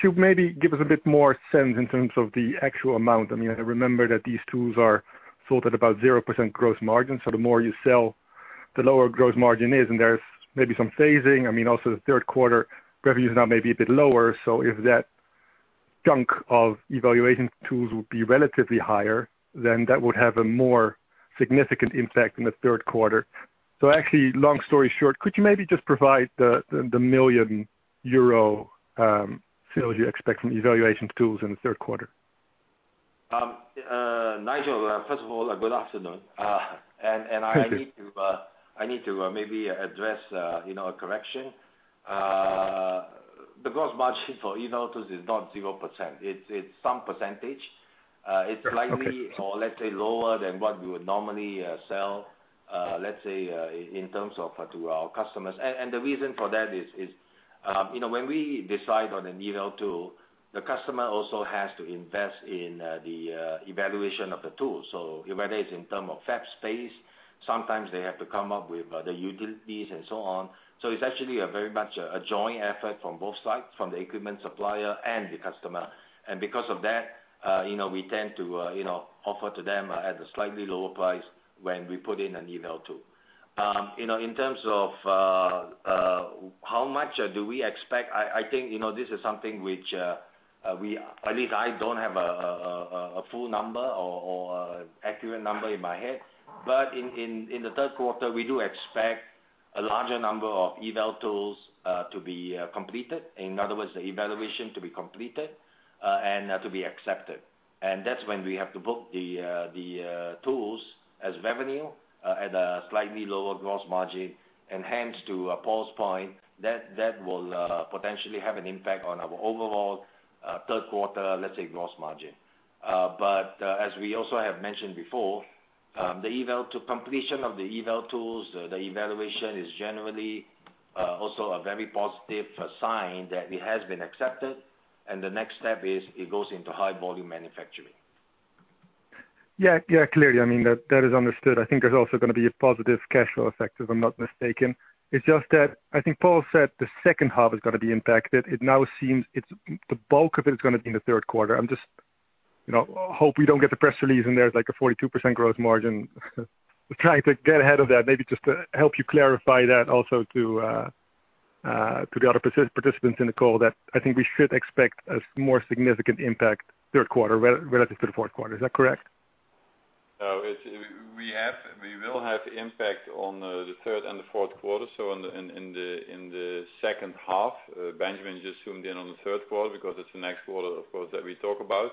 you maybe give us a bit more sense in terms of the actual amount? I remember that these tools are sold at about 0% gross margin, so the more you sell, the lower gross margin is. There's maybe some phasing. Also, the third quarter revenues are maybe a bit lower. If that chunk of evaluation tools would be relatively higher, then that would have a more significant impact in the third quarter. Actually, long story short, could you maybe just provide the million euro sales you expect from evaluation tools in the third quarter? Nigel, first of all, good afternoon. Thank you. I need to maybe address a correction. The gross margin for eval tools is not 0%. It's some percentage. Okay. It's slightly, or let's say lower than what we would normally sell, let's say, in terms of to our customers. The reason for that is, when we decide on an eval tool, the customer also has to invest in the evaluation of the tool. Whether it's in terms of fab space, sometimes they have to come up with the utilities and so on. It's actually a very much a joint effort from both sides, from the equipment supplier and the customer. Because of that we tend to offer to them at a slightly lower price when we put in an eval tool. In terms of how much do we expect, I think, this is something which at least I don't have a full number or accurate number in my head. In the third quarter, we do expect a larger number of eval tools to be completed. In other words, the evaluation to be completed, and to be accepted. That's when we have to book the tools as revenue at a slightly lower gross margin. Hence to Paul's point, that will potentially have an impact on our overall third quarter, let's say, gross margin. As we also have mentioned before, the completion of the eval tools, the evaluation is generally also a very positive sign that it has been accepted. The next step is it goes into high volume manufacturing. Yeah. Clearly, that is understood. I think there's also going to be a positive cash flow effect, if I'm not mistaken. It's just that I think Paul said the second half is going to be impacted. It now seems the bulk of it is going to be in the third quarter. Hope we don't get the press release and there's like a 42% gross margin. Trying to get ahead of that, maybe just to help you clarify that also to the other participants in the call that I think we should expect a more significant impact third quarter relative to the fourth quarter. Is that correct? We will have impact on the third and the fourth quarter. In the second half. Benjamin just zoomed in on the third quarter because it's the next quarter, of course, that we talk about.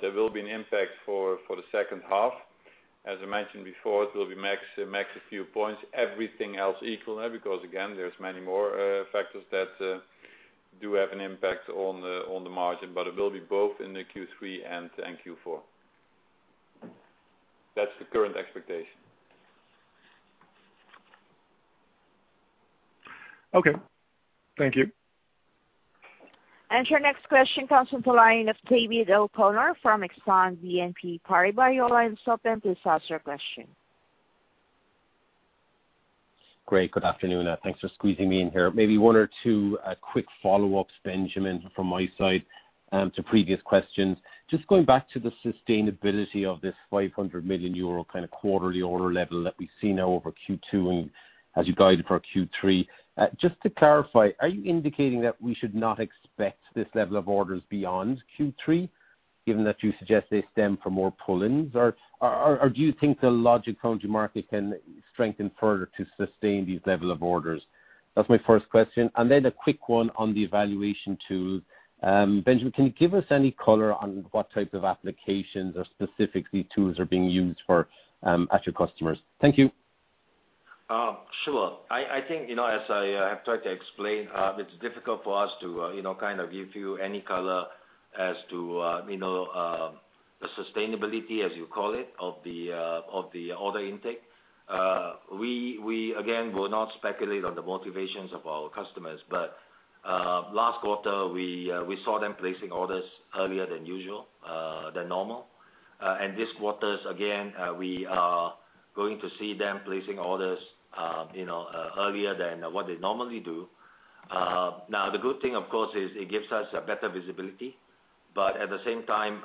There will be an impact for the second half. As I mentioned before, it will be max a few points, everything else equal. Again, there's many more factors that do have an impact on the margin, but it will be both in the Q3 and Q4. That's the current expectation. Okay. Thank you. Your next question comes from the line of David O'Connor from Exane BNP Paribas. Your line is open please ask your question. Great, good afternoon. Thanks for squeezing me in here. Maybe one or two quick follow-ups, Benjamin, from my side, to previous questions. Just going back to the sustainability of this 500 million euro kind of quarterly order level that we see now over Q2 and as you guided for Q3. Just to clarify, are you indicating that we should not expect this level of orders beyond Q3? Given that you suggest they stem from more pull-ins, or do you think the Logic/Foundry market can strengthen further to sustain these level of orders? That's my first question. A quick one on the evaluation tool. Benjamin, can you give us any color on what types of applications or specific these tools are being used for at your customers? Thank you. Sure. I think, as I have tried to explain, it is difficult for us to give you any color as to the sustainability, as you call it, of the order intake. We, again, will not speculate on the motivations of our customers. Last quarter, we saw them placing orders earlier than usual, than normal. This quarter, again, we are going to see them placing orders earlier than what they normally do. The good thing, of course, is it gives us a better visibility. At the same time,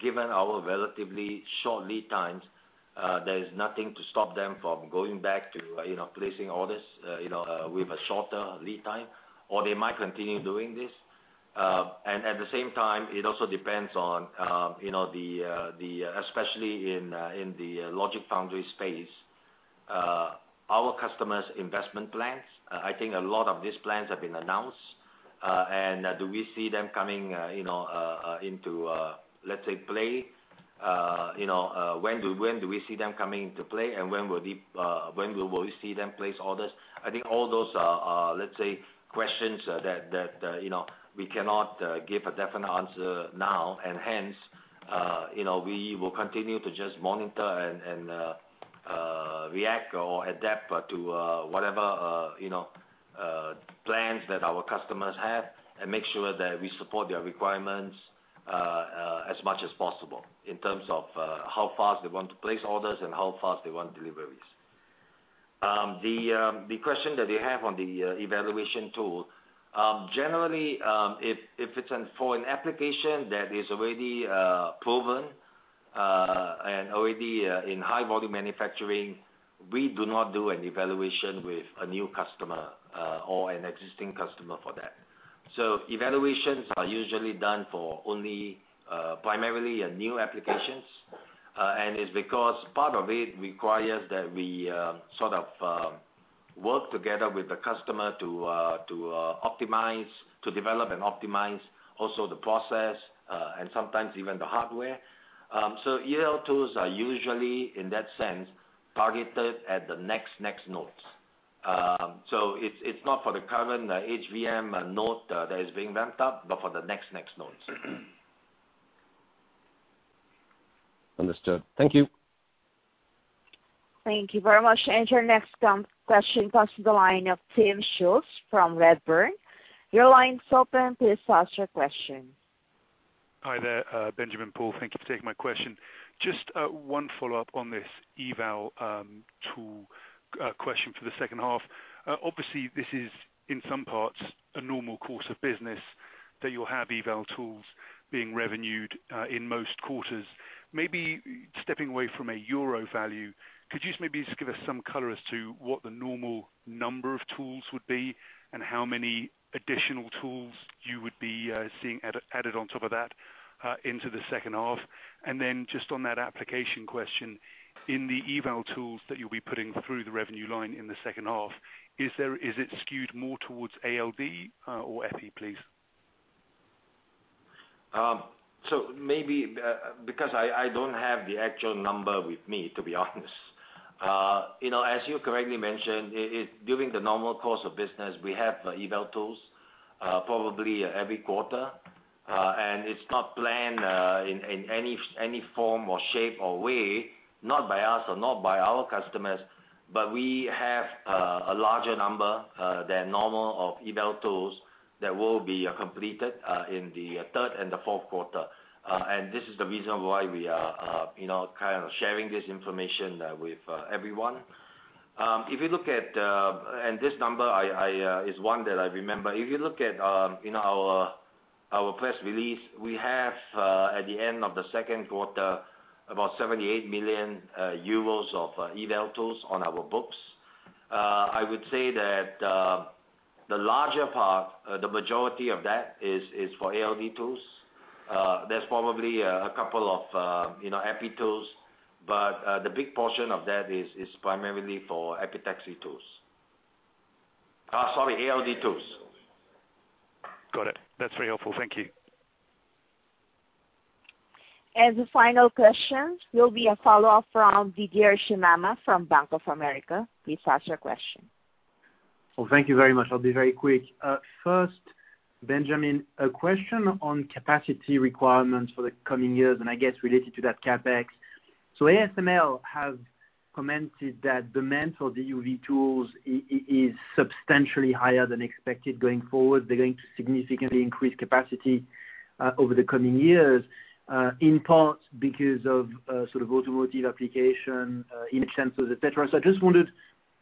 given our relatively short lead times, there is nothing to stop them from going back to placing orders with a shorter lead time, or they might continue doing this. At the same time, it also depends on, especially in the Logic/Foundry space, our customers' investment plans. I think a lot of these plans have been announced. Do we see them coming into, let's say, play? When do we see them coming into play and when will we see them place orders? I think all those are, let's say, questions that we cannot give a definite answer now. Hence, we will continue to just monitor and react or adapt to whatever plans that our customers have and make sure that we support their requirements as much as possible in terms of how fast they want to place orders and how fast they want deliveries. The question that you have on the evaluation tool, generally, if it's for an application that is already proven and already in high volume manufacturing, we do not do an evaluation with a new customer or an existing customer for that. Evaluations are usually done for only primarily new applications. It's because part of it requires that we sort of work together with the customer to develop and optimize also the process, and sometimes even the hardware. Eval tools are usually, in that sense, targeted at the next nodes. It's not for the current HVM node that is being ramped up, but for the next nodes. Understood. Thank you. Thank you very much. Your next question comes to the line of Timm Schulze-Melander from Redburn. Hi there, Benjamin, Paul. Thank you for taking my question. Just one follow-up on this eval tool question for the second half. Obviously, this is in some parts a normal course of business that you'll have eval tools being revenued in most quarters. Maybe stepping away from a EUR value, could you just maybe just give us some color as to what the normal number of tools would be and how many additional tools you would be seeing added on top of that into the second half? Just on that application question, in the eval tools that you'll be putting through the revenue line in the second half, is it skewed more towards ALD or EPI, please? Maybe because I don't have the actual number with me, to be honest. As you correctly mentioned, during the normal course of business, we have eval tools probably every quarter, and it's not planned in any form or shape or way, not by us or not by our customers, but we have a larger number than normal of eval tools that will be completed in the third and the fourth quarter. This is the reason why we are kind of sharing this information with everyone. This number is one that I remember. If you look at our press release, we have, at the end of the second quarter, about 78 million euros of eval tools on our books. I would say that the larger part, the majority of that is for ALD tools. There's probably a couple of EPI tools, but the big portion of that is primarily for epitaxy tools. Sorry, ALD tools. Got it. That is very helpful. Thank you. The final question will be a follow-up from Didier Scemama from Bank of America. Please ask your question. Well, thank you very much. I'll be very quick. First, Benjamin, a question on capacity requirements for the coming years, and I guess related to that CapEx. ASML have commented that demand for the EUV tools is substantially higher than expected going forward. They're going to significantly increase capacity over the coming years, in part because of sort of automotive application, image sensors, et cetera. I just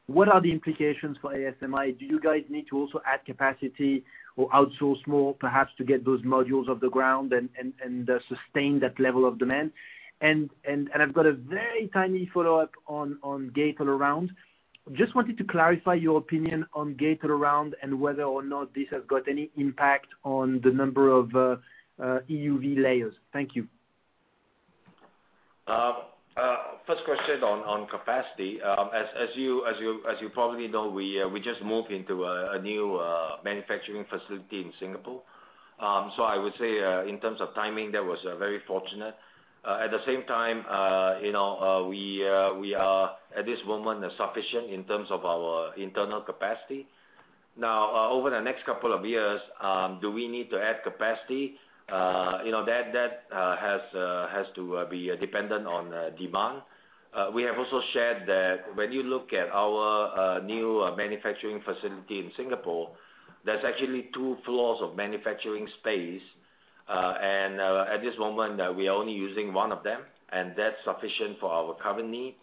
wondered, what are the implications for ASMI? Do you guys need to also add capacity or outsource more, perhaps to get those modules off the ground and sustain that level of demand? I've got a very tiny follow-up on gate-all-around. Just wanted to clarify your opinion on gate-all-around and whether or not this has got any impact on the number of EUV layers. Thank you. First question on capacity. As you probably know, we just moved into a new manufacturing facility in Singapore. I would say, in terms of timing, that was very fortunate. At the same time, we are at this moment sufficient in terms of our internal capacity. Now, over the next couple of years, do we need to add capacity? That has to be dependent on demand. We have also shared that when you look at our new manufacturing facility in Singapore, there's actually two floors of manufacturing space. At this moment, we are only using one of them, and that's sufficient for our current needs.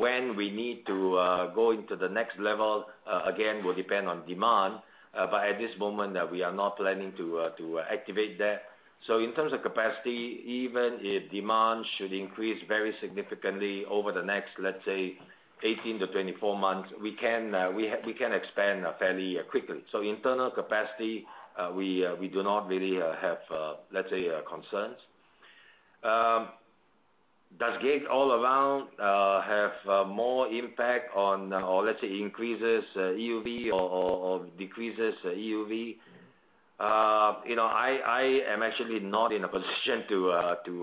When we need to go into the next level, again, will depend on demand. At this moment, we are not planning to activate that. In terms of capacity, even if demand should increase very significantly over the next, let's say, 18-24 months, we can expand fairly quickly. Internal capacity, we do not really have, let's say, concerns. Does gate-all-around have more impact on, or let's say, increases EUV or decreases EUV? I am actually not in a position to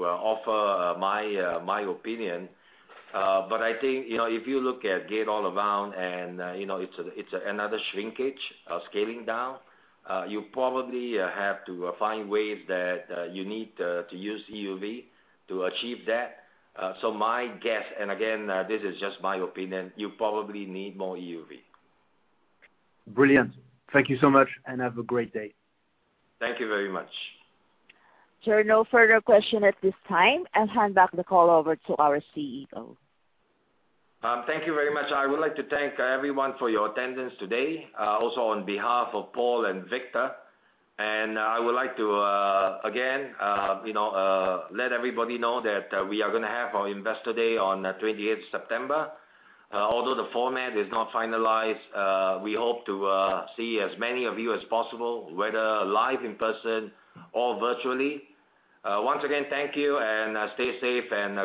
offer my opinion. I think, if you look at gate-all-around, and it's another shrinkage, a scaling down. You probably have to find ways that you need to use EUV to achieve that. My guess, and again, this is just my opinion, you probably need more EUV. Brilliant. Thank you so much, and have a great day. Thank you very much. There are no further questions at this time. I'll hand back the call over to our CEO. Thank you very much. I would like to thank everyone for your attendance today, also on behalf of Paul and Victor. I would like to, again let everybody know that we are going to have our Investor Day on 28th September. Although the format is not finalized, we hope to see as many of you as possible, whether live in person or virtually. Once again, thank you and stay safe.